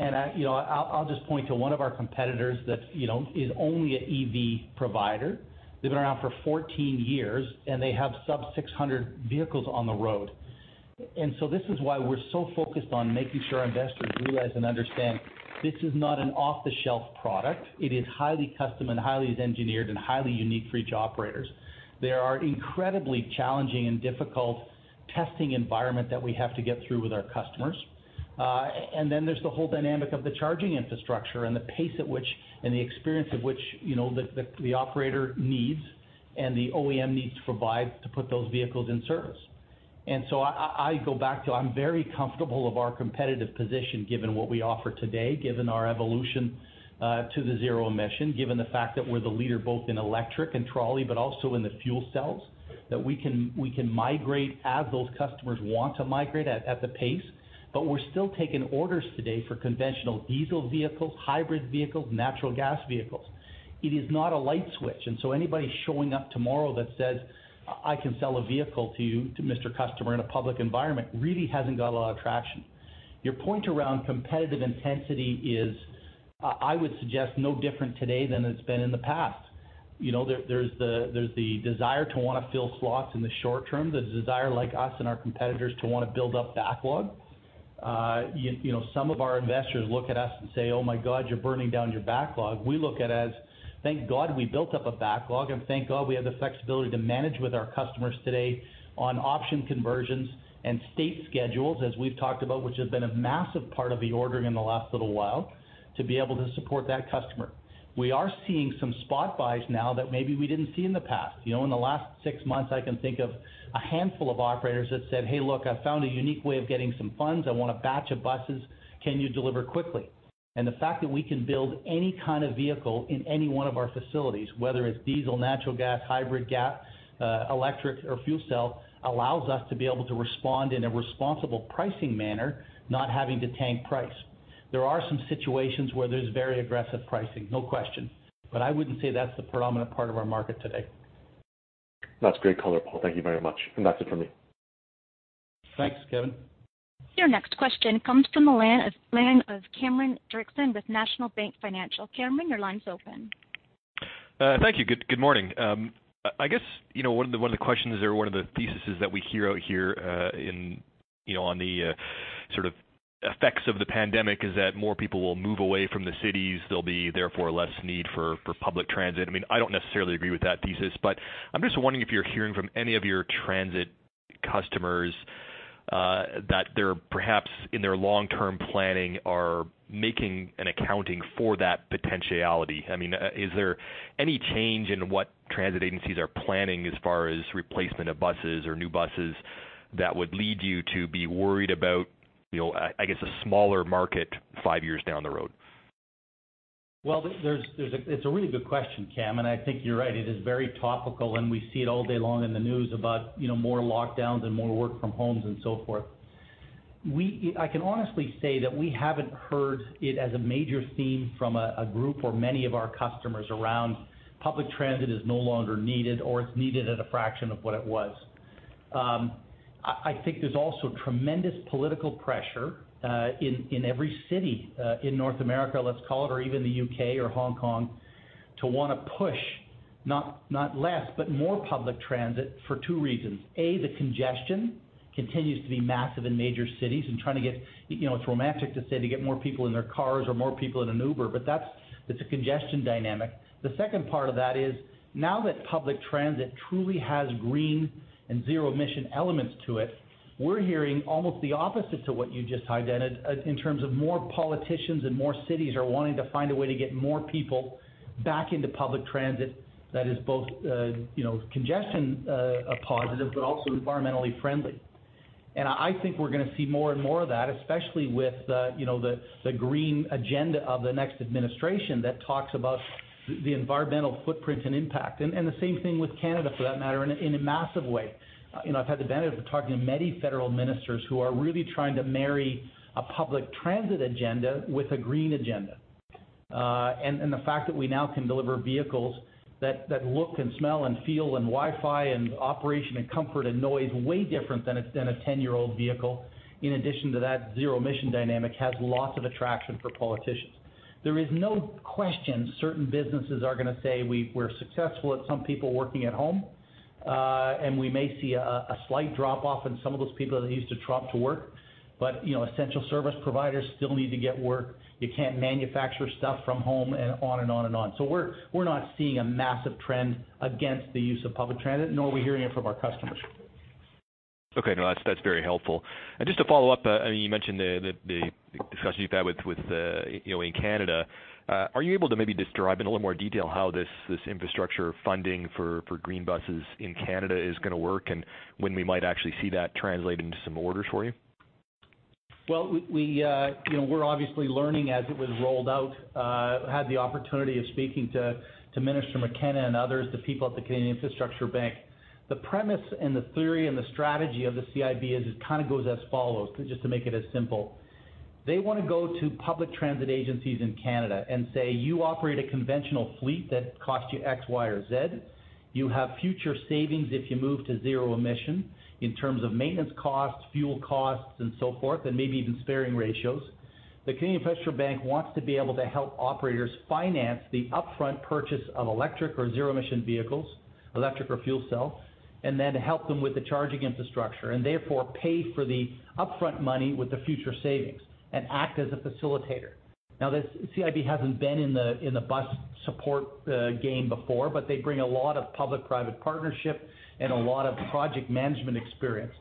C: I'll just point to one of our competitors that is only an EV provider. They've been around for 14 years, and they have sub 600 vehicles on the road. This is why we're so focused on making sure our investors realize and understand this is not an off-the-shelf product. It is highly custom and highly engineered and highly unique for each operators. There are incredibly challenging and difficult testing environment that we have to get through with our customers. Then there's the whole dynamic of the charging infrastructure and the pace at which, and the experience of which, the operator needs, and the OEM needs to provide to put those vehicles in service. So I go back to, I'm very comfortable of our competitive position given what we offer today, given our evolution to the zero emission, given the fact that we're the leader both in electric and trolley, but also in the fuel cells, that we can migrate as those customers want to migrate at the pace. We're still taking orders today for conventional diesel vehicles, hybrid vehicles, natural gas vehicles. It is not a light switch, and so anybody showing up tomorrow that says, "I can sell a vehicle to you, to Mr. Customer, in a public environment" really hasn't got a lot of traction. Your point around competitive intensity is, I would suggest, no different today than it's been in the past. There's the desire to want to fill slots in the short term, the desire like us and our competitors to want to build up backlog. Some of our investors look at us and say, "Oh my God, you're burning down your backlog." We look at it as, thank God we built up a backlog, and thank God we have the flexibility to manage with our customers today on option conversions and state schedules, as we've talked about, which have been a massive part of the ordering in the last little while, to be able to support that customer. We are seeing some spot buys now that maybe we didn't see in the past. In the last six months, I can think of a handful of operators that said, "Hey, look, I found a unique way of getting some funds. I want a batch of buses. Can you deliver quickly?" The fact that we can build any kind of vehicle in any one of our facilities, whether it's diesel, natural gas, hybrid gas, electric, or fuel cell, allows us to be able to respond in a responsible pricing manner, not having to tank price. There are some situations where there's very aggressive pricing, no question, but I wouldn't say that's the predominant part of our market today.
G: That's great color, Paul. Thank you very much. That's it for me.
D: Thanks, Kevin.
A: Your next question comes from the line of Cameron Doerksen with National Bank Financial. Cameron, your line's open.
H: Thank you. Good morning. I guess one of the questions or one of the thesis that we hear out here on the sort of effects of the pandemic is that more people will move away from the cities. There'll be therefore less need for public transit. I don't necessarily agree with that thesis, but I'm just wondering if you're hearing from any of your transit customers that they're perhaps in their long-term planning are making and accounting for that potentiality. Is there any change in what transit agencies are planning as far as replacement of buses or new buses that would lead you to be worried about, I guess, a smaller market five years down the road?
C: It's a really good question, Cam, and I think you're right. It is very topical, and we see it all day long in the news about more lockdowns and more work from homes and so forth. I can honestly say that we haven't heard it as a major theme from a group or many of our customers around public transit is no longer needed, or it's needed at a fraction of what it was. I think there's also tremendous political pressure in every city in North America, let's call it, or even the U.K. or Hong Kong, to want to push not less, but more public transit for two reasons. A, the congestion continues to be massive in major cities and trying to get. It's romantic to say to get more people in their cars or more people in an Uber, but that's a congestion dynamic. The second part of that is now that public transit truly has green and zero emission elements to it, we're hearing almost the opposite to what you just highlighted in terms of more politicians and more cities are wanting to find a way to get more people back into public transit that is both congestion positive, but also environmentally friendly. I think we're going to see more and more of that, especially with the green agenda of the next administration that talks about the environmental footprint and impact. The same thing with Canada, for that matter, in a massive way. I've had the benefit of talking to many federal ministers who are really trying to marry a public transit agenda with a green agenda. The fact that we now can deliver vehicles that look and smell and feel and Wi-Fi and operation and comfort and noise way different than a 10-year-old vehicle, in addition to that zero emission dynamic, has lots of attraction for politicians. There is no question certain businesses are going to say we're successful at some people working at home, and we may see a slight drop off in some of those people that used to trudge to work. Essential service providers still need to get work. You can't manufacture stuff from home and on and on and on. We're not seeing a massive trend against the use of public transit, nor are we hearing it from our customers.
H: Okay. No, that's very helpful. Just to follow up, you mentioned the discussion you've had in Canada. Are you able to maybe just drive in a little more detail how this infrastructure funding for green buses in Canada is going to work and when we might actually see that translate into some orders for you?
C: We're obviously learning as it was rolled out. Had the opportunity of speaking to Minister McKenna and others, the people at the Canada Infrastructure Bank. The premise and the theory and the strategy of the CIB is it kind of goes as follows, just to make it as simple. They want to go to public transit agencies in Canada and say, you operate a conventional fleet that costs you X, Y, or Z. You have future savings if you move to zero emission in terms of maintenance costs, fuel costs, and so forth, and maybe even sparing ratios. The Canada Infrastructure Bank wants to be able to help operators finance the upfront purchase of electric or zero emission vehicles, electric or fuel cell, and then help them with the charging infrastructure and therefore pay for the upfront money with the future savings and act as a facilitator. Now, the CIB hasn't been in the bus support game before, but they bring a lot of public-private partnership and a lot of project management experience.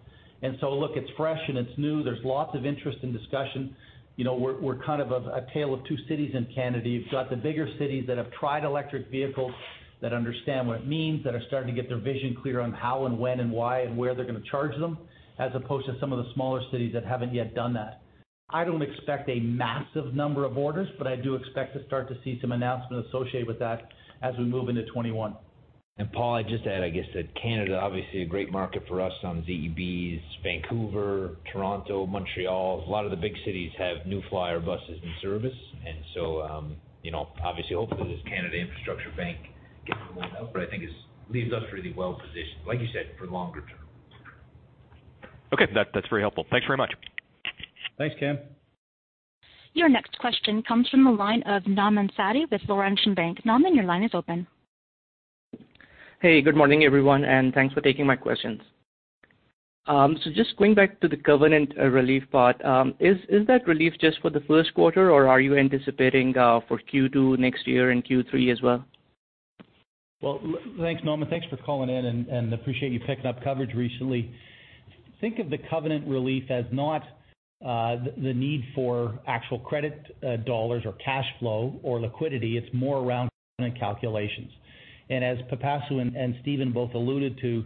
C: Look, it's fresh and it's new. There's lots of interest and discussion. We're kind of a tale of two cities in Canada. You've got the bigger cities that have tried electric vehicles, that understand what it means, that are starting to get their vision clear on how and when and why and where they're going to charge them, as opposed to some of the smaller cities that haven't yet done that. I don't expect a massive number of orders, but I do expect to start to see some announcements associated with that as we move into 2021.
B: Paul, I'd just add, I guess, that Canada, obviously a great market for us on ZEBs, Vancouver, Toronto, Montreal. A lot of the big cities have New Flyer buses in service. Obviously, hopefully this Canada Infrastructure Bank gets rolled out, but I think leaves us really well positioned, like you said, for longer term.
H: Okay. That's very helpful. Thanks very much.
C: Thanks, Cam.
A: Your next question comes from the line of Nauman Satti with Laurentian Bank. Nauman, your line is open.
I: Hey, good morning, everyone, thanks for taking my questions. Just going back to the covenant relief part, is that relief just for the first quarter, or are you anticipating for Q2 next year and Q3 as well?
C: Well, thanks, Nauman. Thanks for calling in, and appreciate you picking up coverage recently. Think of the covenant relief as not the need for actual credit dollars or cash flow or liquidity. It's more around covenant calculations. As Pipasu and Stephen both alluded to,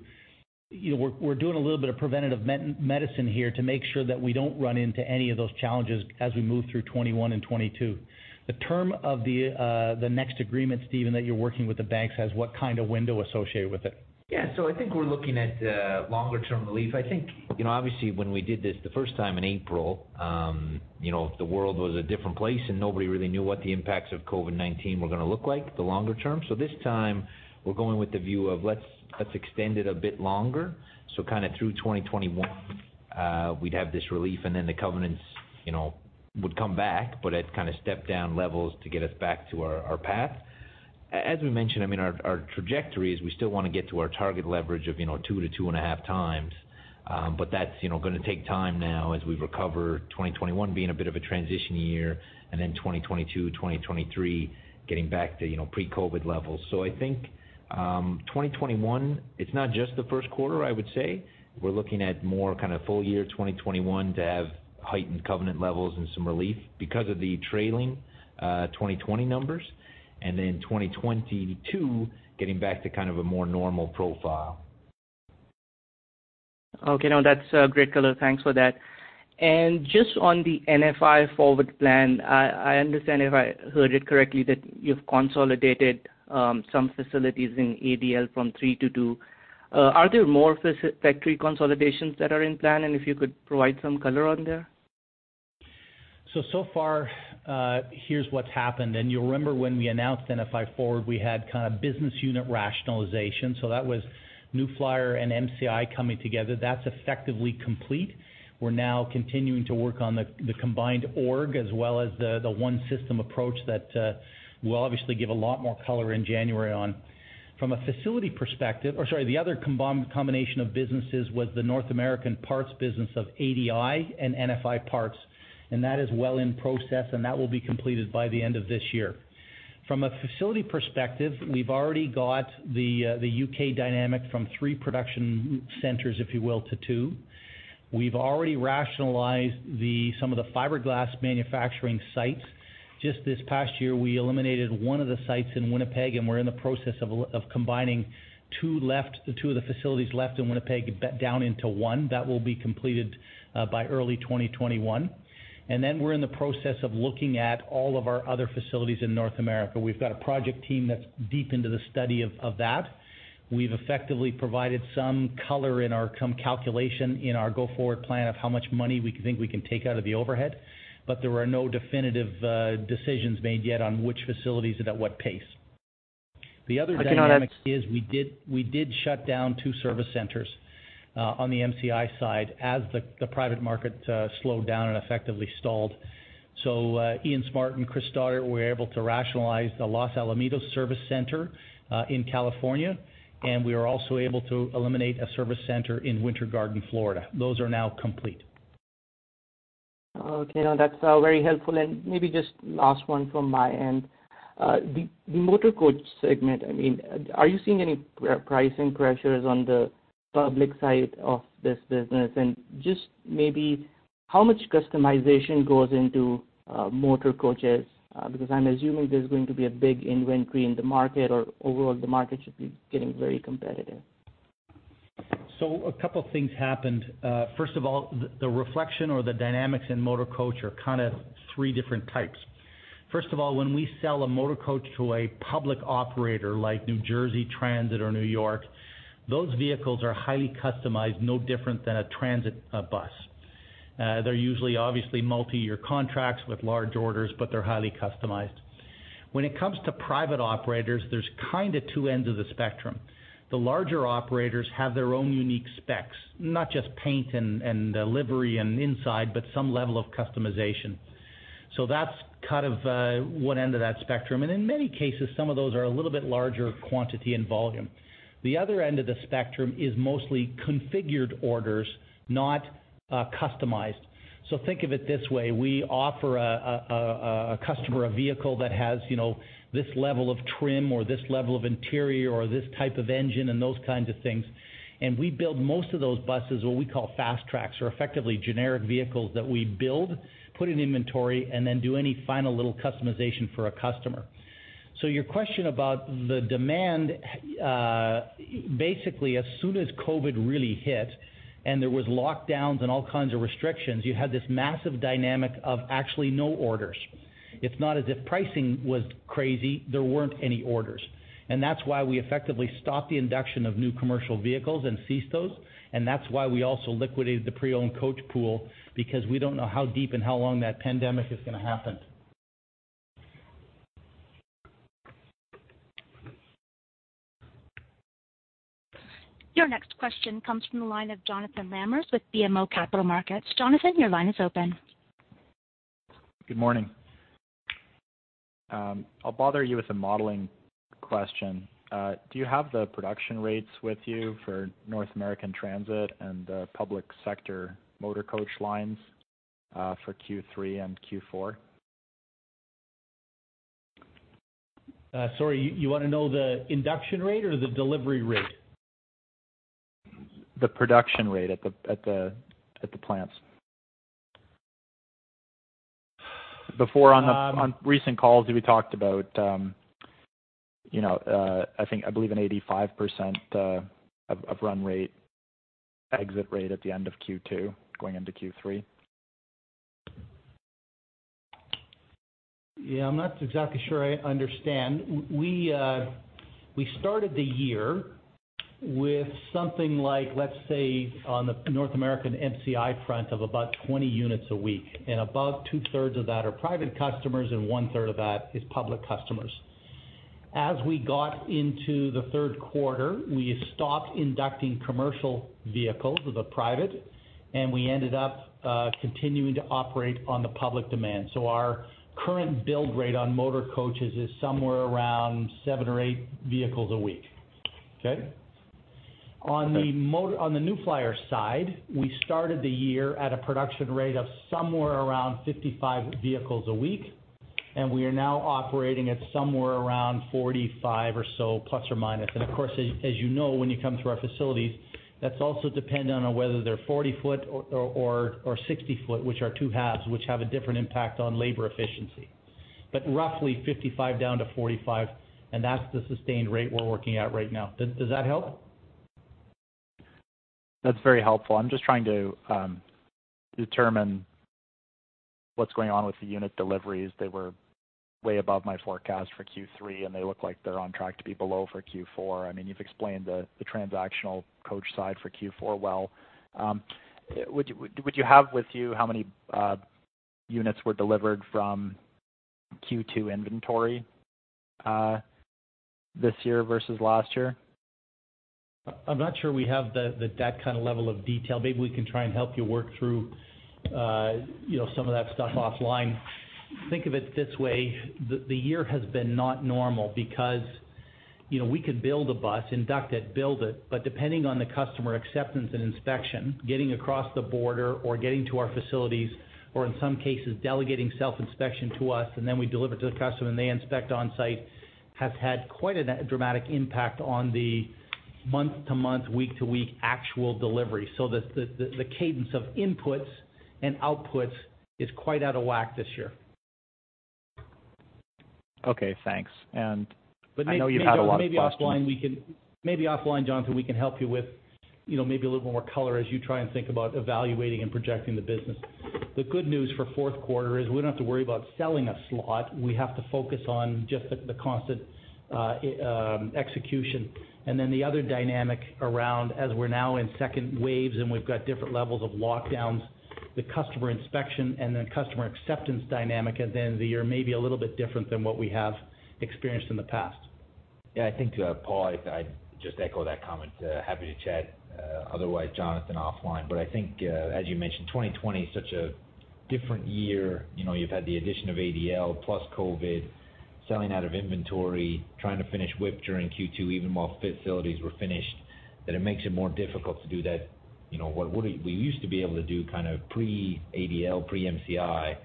C: we're doing a little bit of preventative medicine here to make sure that we don't run into any of those challenges as we move through 2021 and 2022. The term of the next agreement, Stephen, that you're working with the banks has what kind of window associated with it?
B: I think we're looking at longer term relief. I think, obviously when we did this the first time in April, the world was a different place and nobody really knew what the impacts of COVID-19 were going to look like the longer term. This time we're going with the view of let's extend it a bit longer. Kind of through 2021, we'd have this relief and then the covenants would come back, but at kind of stepped down levels to get us back to our path. As we mentioned, our trajectory is we still want to get to our target leverage of two to two and a half times. That's going to take time now as we recover, 2021 being a bit of a transition year, and then 2022, 2023 getting back to pre-COVID levels. I think 2021, it's not just the first quarter, I would say. We're looking at more kind of full year 2021 to have heightened covenant levels and some relief because of the trailing 2020 numbers, and then 2022 getting back to kind of a more normal profile.
I: Okay, now that's great color. Thanks for that. Just on the NFI Forward plan, I understand if I heard it correctly, that you've consolidated some facilities in ADL from three to two. Are there more factory consolidations that are in plan? If you could provide some color on there.
C: So far, here's what's happened, and you'll remember when we announced NFI Forward, we had business unit rationalization. That was New Flyer and MCI coming together. That's effectively complete. We're now continuing to work on the combined org as well as the one system approach that we'll obviously give a lot more color in January on. From a facility perspective, or sorry, the other combination of businesses was the North American parts business of ADL and NFI Parts, and that is well in process, and that will be completed by the end of this year. From a facility perspective, we've already got the U.K. dynamic from three production centers, if you will, to two. We've already rationalized some of the fiberglass manufacturing sites. Just this past year, we eliminated one of the sites in Winnipeg, and we're in the process of combining two of the facilities left in Winnipeg down into one. That will be completed by early 2021. We're in the process of looking at all of our other facilities in North America. We've got a project team that's deep into the study of that. We've effectively provided some color in our calculation, in our go-forward plan of how much money we think we can take out of the overhead, but there are no definitive decisions made yet on which facilities and at what pace.
I: Okay, now that-
C: The other dynamic is we did shut down two service centers on the MCI side as the private market slowed down and effectively stalled. Ian Smart and Chris Stoddart were able to rationalize the Los Alamitos service center in California, and we were also able to eliminate a service center in Winter Garden, Florida. Those are now complete.
I: Okay, now that's very helpful and maybe just last one from my end. The motor coach segment, are you seeing any pricing pressures on the public side of this business? Just maybe how much customization goes into motor coaches? I'm assuming there's going to be a big inventory in the market or overall the market should be getting very competitive.
C: A couple things happened. First of all, the reflection or the dynamics in Motor Coach are kind of three different types. First of all, when we sell a Motor Coach to a public operator like New Jersey Transit or New York, those vehicles are highly customized, no different than a transit bus. They're usually obviously multi-year contracts with large orders, but they're highly customized. When it comes to private operators, there's kind of two ends of the spectrum. The larger operators have their own unique specs, not just paint and livery and inside, but some level of customization. That's one end of that spectrum, and in many cases, some of those are a little bit larger quantity and volume. The other end of the spectrum is mostly configured orders, not customized. Think of it this way, we offer a customer a vehicle that has this level of trim or this level of interior or this type of engine and those kinds of things. We build most of those buses, what we call fast tracks or effectively generic vehicles that we build, put in inventory, and then do any final little customization for a customer. Your question about the demand, basically as soon as COVID really hit and there was lockdowns and all kinds of restrictions, you had this massive dynamic of actually no orders. It's not as if pricing was crazy, there weren't any orders. That's why we effectively stopped the induction of new commercial vehicles and ceased those, and that's why we also liquidated the pre-owned coach pool because we don't know how deep and how long that pandemic is going to happen.
A: Your next question comes from the line of Jonathan Lamers with BMO Capital Markets. Jonathan, your line is open.
J: Good morning. I'll bother you with a modeling question. Do you have the production rates with you for North American Transit and the public sector motor coach lines for Q3 and Q4?
C: Sorry, you want to know the induction rate or the delivery rate?
J: The production rate at the plants. Before on recent calls, we talked about I believe an 85% of run rate exit rate at the end of Q2 going into Q3.
C: Yeah, I am not exactly sure I understand. We started the year with something like, let's say, on the North American MCI front of about 20 units a week, and about two-thirds of that are private customers, and one-third of that is public customers. As we got into the third quarter, we stopped inducting commercial vehicles with a private. We ended up continuing to operate on the public demand. Our current build rate on motor coaches is somewhere around seven or eight vehicles a week. Okay?
J: Okay.
C: On the New Flyer side, we started the year at a production rate of somewhere around 55 vehicles a week, and we are now operating at somewhere around 45± or so,. Of course, as you know, when you come to our facilities, that's also dependent on whether they're 40 foot or 60 foot, which are two halves, which have a different impact on labor efficiency. Roughly 55 down to 45, and that's the sustained rate we're working at right now. Does that help?
J: That's very helpful. I'm just trying to determine what's going on with the unit deliveries. They were way above my forecast for Q3. They look like they're on track to be below for Q4. You've explained the transactional coach side for Q4 well. Would you have with you how many units were delivered from Q2 inventory this year versus last year?
C: I'm not sure we have that kind of level of detail. Maybe we can try and help you work through some of that stuff offline. Think of it this way. The year has been not normal because we could build a bus, induct it, but depending on the customer acceptance and inspection, getting across the border or getting to our facilities or, in some cases, delegating self-inspection to us and then we deliver to the customer and they inspect on-site, has had quite a dramatic impact on the month-to-month, week-to-week actual delivery. The cadence of inputs and outputs is quite out of whack this year.
J: Okay, thanks. I know you've had a lot of questions.
C: Maybe offline, Jonathan, we can help you with maybe a little more color as you try and think about evaluating and projecting the business. The good news for fourth quarter is we don't have to worry about selling a slot. We have to focus on just the constant execution. The other dynamic around, as we're now in second waves and we've got different levels of lockdowns, the customer inspection and then customer acceptance dynamic at the end of the year may be a little bit different than what we have experienced in the past.
B: Yeah, I think, Paul, I'd just echo that comment. Happy to chat, otherwise, Jonathan, offline. I think, as you mentioned, 2020 is such a different year. You've had the addition of ADL plus COVID, selling out of inventory, trying to finish WIP during Q2 even while facilities were finished, that it makes it more difficult to do that. What we used to be able to do kind of pre-ADL, pre-MCI,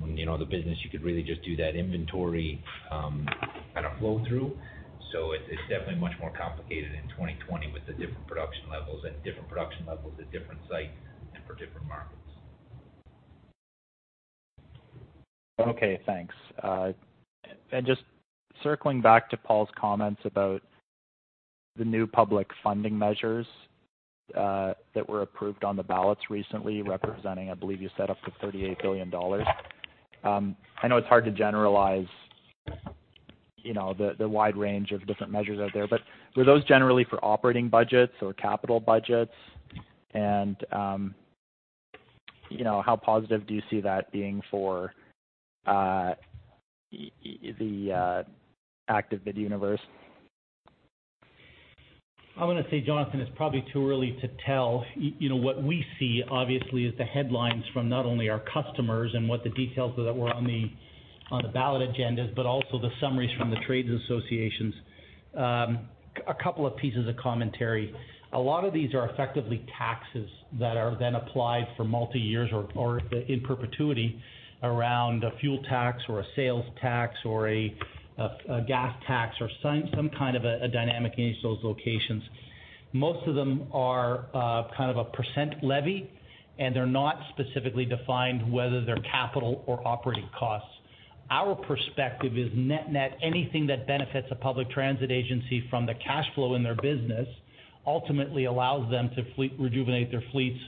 B: the business, you could really just do that inventory kind of flow through. It's definitely much more complicated in 2020 with the different production levels at different sites and for different markets.
J: Okay, thanks. Just circling back to Paul's comments about the new public funding measures that were approved on the ballots recently, representing, I believe you said up to 38 billion dollars. I know it's hard to generalize the wide range of different measures out there, but were those generally for operating budgets or capital budgets, and how positive do you see that being for the active bid universe?
C: I want to say, Jonathan, it's probably too early to tell. What we see, obviously, is the headlines from not only our customers and what the details that were on the ballot agendas, but also the summaries from the trades associations. A couple of pieces of commentary. A lot of these are effectively taxes that are then applied for multi-years or in perpetuity around a fuel tax or a sales tax or a gas tax or some kind of a dynamic in each of those locations. Most of them are kind of a percent levy. They're not specifically defined whether they're capital or operating costs. Our perspective is net-net, anything that benefits a public transit agency from the cash flow in their business ultimately allows them to rejuvenate their fleets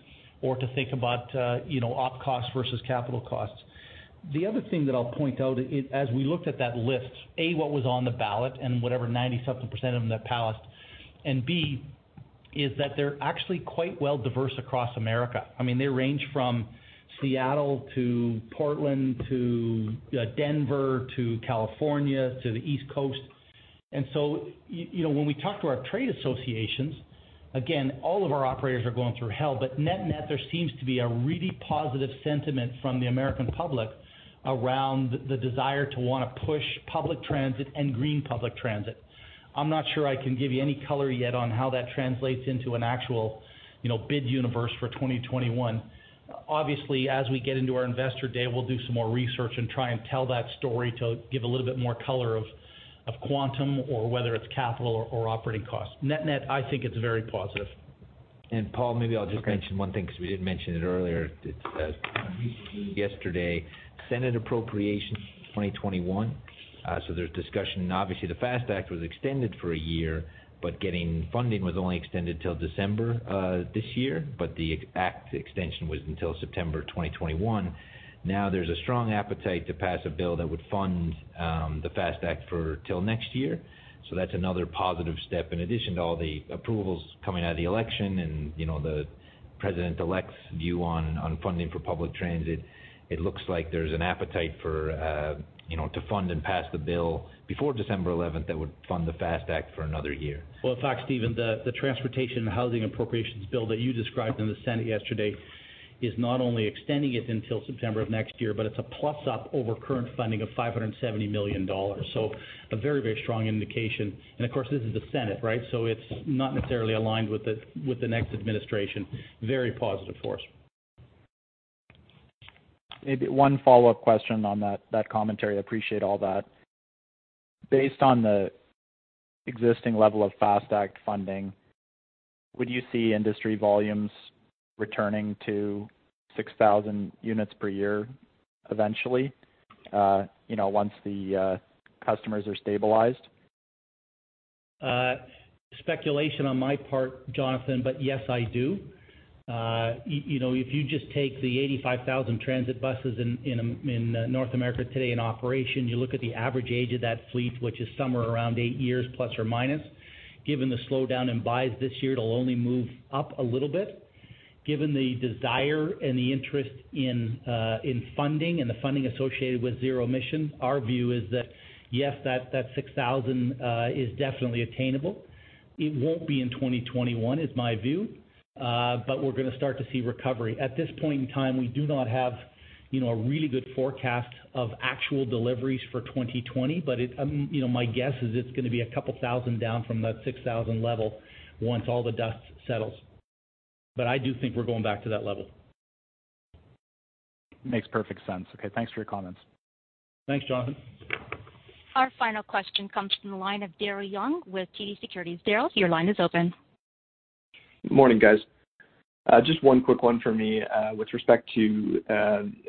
C: or to think about op costs versus capital costs. The other thing that I'll point out, as we looked at that list, A, what was on the ballot and whatever 97% of them that passed, and B, is that they're actually quite well diverse across the U.S. They range from Seattle to Portland to Denver to California to the East Coast. When we talk to our trade associations, again, all of our operators are going through hell, but net-net, there seems to be a really positive sentiment from the U.S. public around the desire to want to push public transit and green public transit. I'm not sure I can give you any color yet on how that translates into an actual bid universe for 2021. Obviously, as we get into our investor day, we'll do some more research and try and tell that story to give a little bit more color of quantum or whether it's capital or operating costs. Net-net, I think it's very positive.
B: Paul, maybe I'll just mention one thing because we didn't mention it earlier. Yesterday, Senate Appropriations 2021. There's discussion. Obviously, the FAST Act was extended for a year, but getting funding was only extended till December this year, but the Act extension was until September 2021. There's a strong appetite to pass a bill that would fund the FAST Act till next year. That's another positive step. In addition to all the approvals coming out of the election and the President-elect's view on funding for public transit, it looks like there's an appetite to fund and pass the bill before December 11th that would fund the FAST Act for another year.
C: Well, in fact, Stephen, the Transportation and Housing Appropriations Bill that you described in the Senate yesterday is not only extending it until September of next year, but it's a plus-up over current funding of $570 million. A very strong indication. Of course, this is the Senate, right? It's not necessarily aligned with the next administration. Very positive for us.
J: Maybe one follow-up question on that commentary. I appreciate all that. Based on the existing level of FAST Act funding, would you see industry volumes returning to 6,000 units per year eventually, once the customers are stabilized?
C: Speculation on my part, Jonathan, yes, I do. If you just take the 85,000 transit buses in North America today in operation, you look at the average age of that fleet, which is somewhere around 8± years, given the slowdown in buys this year, it'll only move up a little bit. Given the desire and the interest in funding and the funding associated with zero emission, our view is that yes, that 6,000 is definitely attainable. It won't be in 2021 is my view, we're going to start to see recovery. At this point in time, we do not have a really good forecast of actual deliveries for 2020, my guess is it's going to be a couple thousand down from that 6,000 level once all the dust settles. I do think we're going back to that level.
J: Makes perfect sense. Okay, thanks for your comments.
C: Thanks, Jonathan.
A: Our final question comes from the line of Daryl Young with TD Securities. Daryl, your line is open.
K: Good morning, guys. Just one quick one for me, with respect to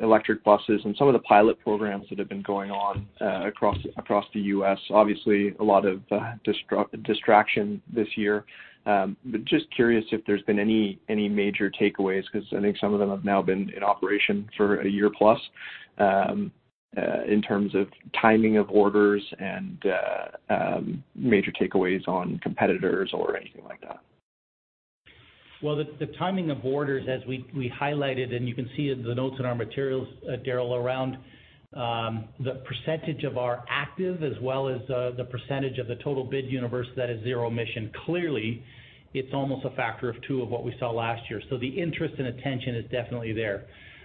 K: electric buses and some of the pilot programs that have been going on across the U.S. Obviously, a lot of distraction this year. Just curious if there's been any major takeaways, because I think some of them have now been in operation for a year plus, in terms of timing of orders and major takeaways on competitors or anything like that.
C: The timing of orders, as we highlighted, and you can see in the notes in our materials, Daryl, around the percentage of our active as well as the percentage of the total bid universe that is zero emission. Clearly, it's almost a factor of two of what we saw last year. The interest and attention is definitely there.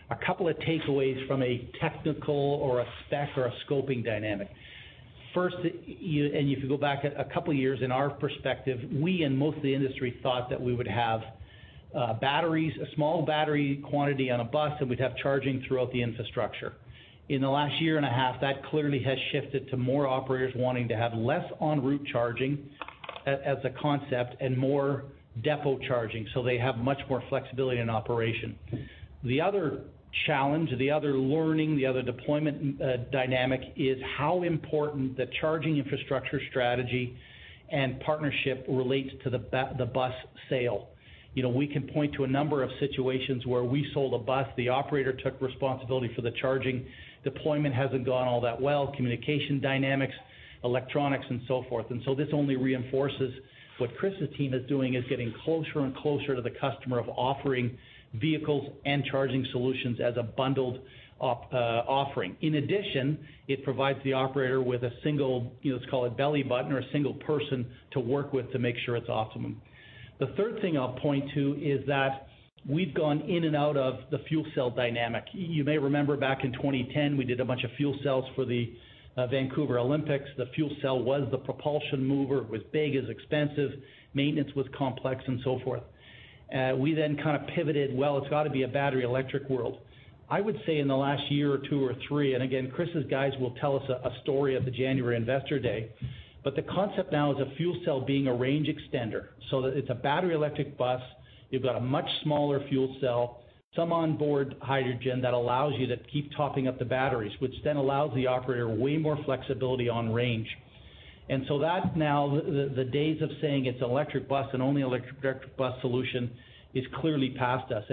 C: A couple of takeaways from a technical or a spec or a scoping dynamic. First, and you can go back a couple years, in our perspective, we and most of the industry thought that we would have a small battery quantity on a bus, and we'd have charging throughout the infrastructure. In the last year and a half, that clearly has shifted to more operators wanting to have less en route charging as a concept and more depot charging, so they have much more flexibility in operation. The other challenge, the other learning, the other deployment dynamic is how important the charging infrastructure strategy and partnership relates to the bus sale. We can point to a number of situations where we sold a bus, the operator took responsibility for the charging, deployment hasn't gone all that well, communication dynamics, electronics, and so forth. This only reinforces what Chris's team is doing, is getting closer and closer to the customer of offering vehicles and charging solutions as a bundled offering. In addition, it provides the operator with a single, let's call it belly button or a single person to work with to make sure it's optimum. The third thing I'll point to is that we've gone in and out of the fuel cell dynamic. You may remember back in 2010, we did a bunch of fuel cells for the Vancouver Olympics. The fuel cell was the propulsion mover. It was big, it was expensive, maintenance was complex, and so forth. We then kind of pivoted, well, it's got to be a battery electric world. I would say in the last year or two or three, and again, Chris's guys will tell us a story at the January investor day, but the concept now is a fuel cell being a range extender. That it's a battery electric bus. You've got a much smaller fuel cell, some onboard hydrogen that allows you to keep topping up the batteries, which then allows the operator way more flexibility on range. Now, the days of saying it's an electric bus and only electric bus solution is clearly past us.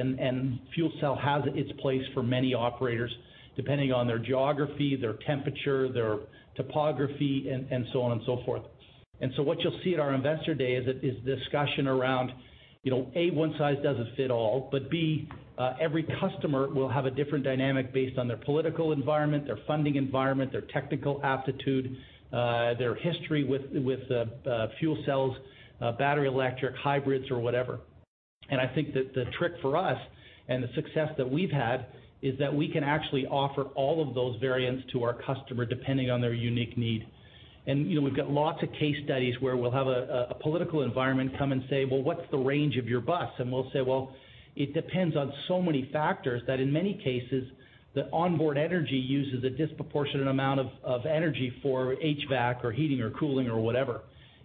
C: Fuel cell has its place for many operators, depending on their geography, their temperature, their topography, and so on and so forth. What you'll see at our investor day is the discussion around, A, one size doesn't fit all, but B, every customer will have a different dynamic based on their political environment, their funding environment, their technical aptitude, their history with fuel cells, battery, electric, hybrids, or whatever. I think that the trick for us and the success that we've had is that we can actually offer all of those variants to our customer depending on their unique need. We've got lots of case studies where we'll have a political environment come and say, "Well, what's the range of your bus?" We'll say, "Well, it depends on so many factors that in many cases, the onboard energy uses a disproportionate amount of energy for HVAC or heating or cooling or whatever."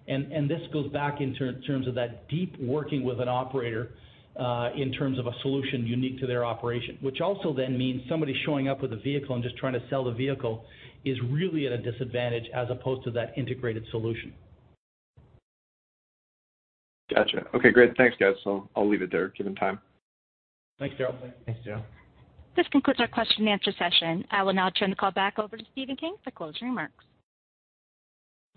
C: This goes back in terms of that deep working with an operator, in terms of a solution unique to their operation. Which also then means somebody showing up with a vehicle and just trying to sell the vehicle is really at a disadvantage as opposed to that integrated solution.
K: Got you. Okay, great. Thanks, guys. I'll leave it there, given time.
C: Thanks, Daryl.
B: Thanks, Daryl.
A: This concludes our question and answer session. I will now turn the call back over to Stephen King for closing remarks.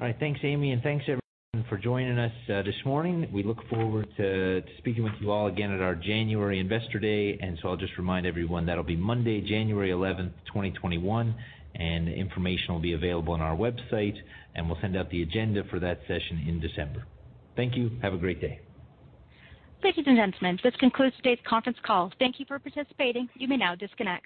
B: All right. Thanks, Amy, thanks everyone for joining us this morning. We look forward to speaking with you all again at our January Investor Day. I'll just remind everyone, that'll be Monday, January 11th, 2021, information will be available on our website, we'll send out the agenda for that session in December. Thank you. Have a great day.
A: Ladies and gentlemen, this concludes today's conference call. Thank you for participating. You may now disconnect.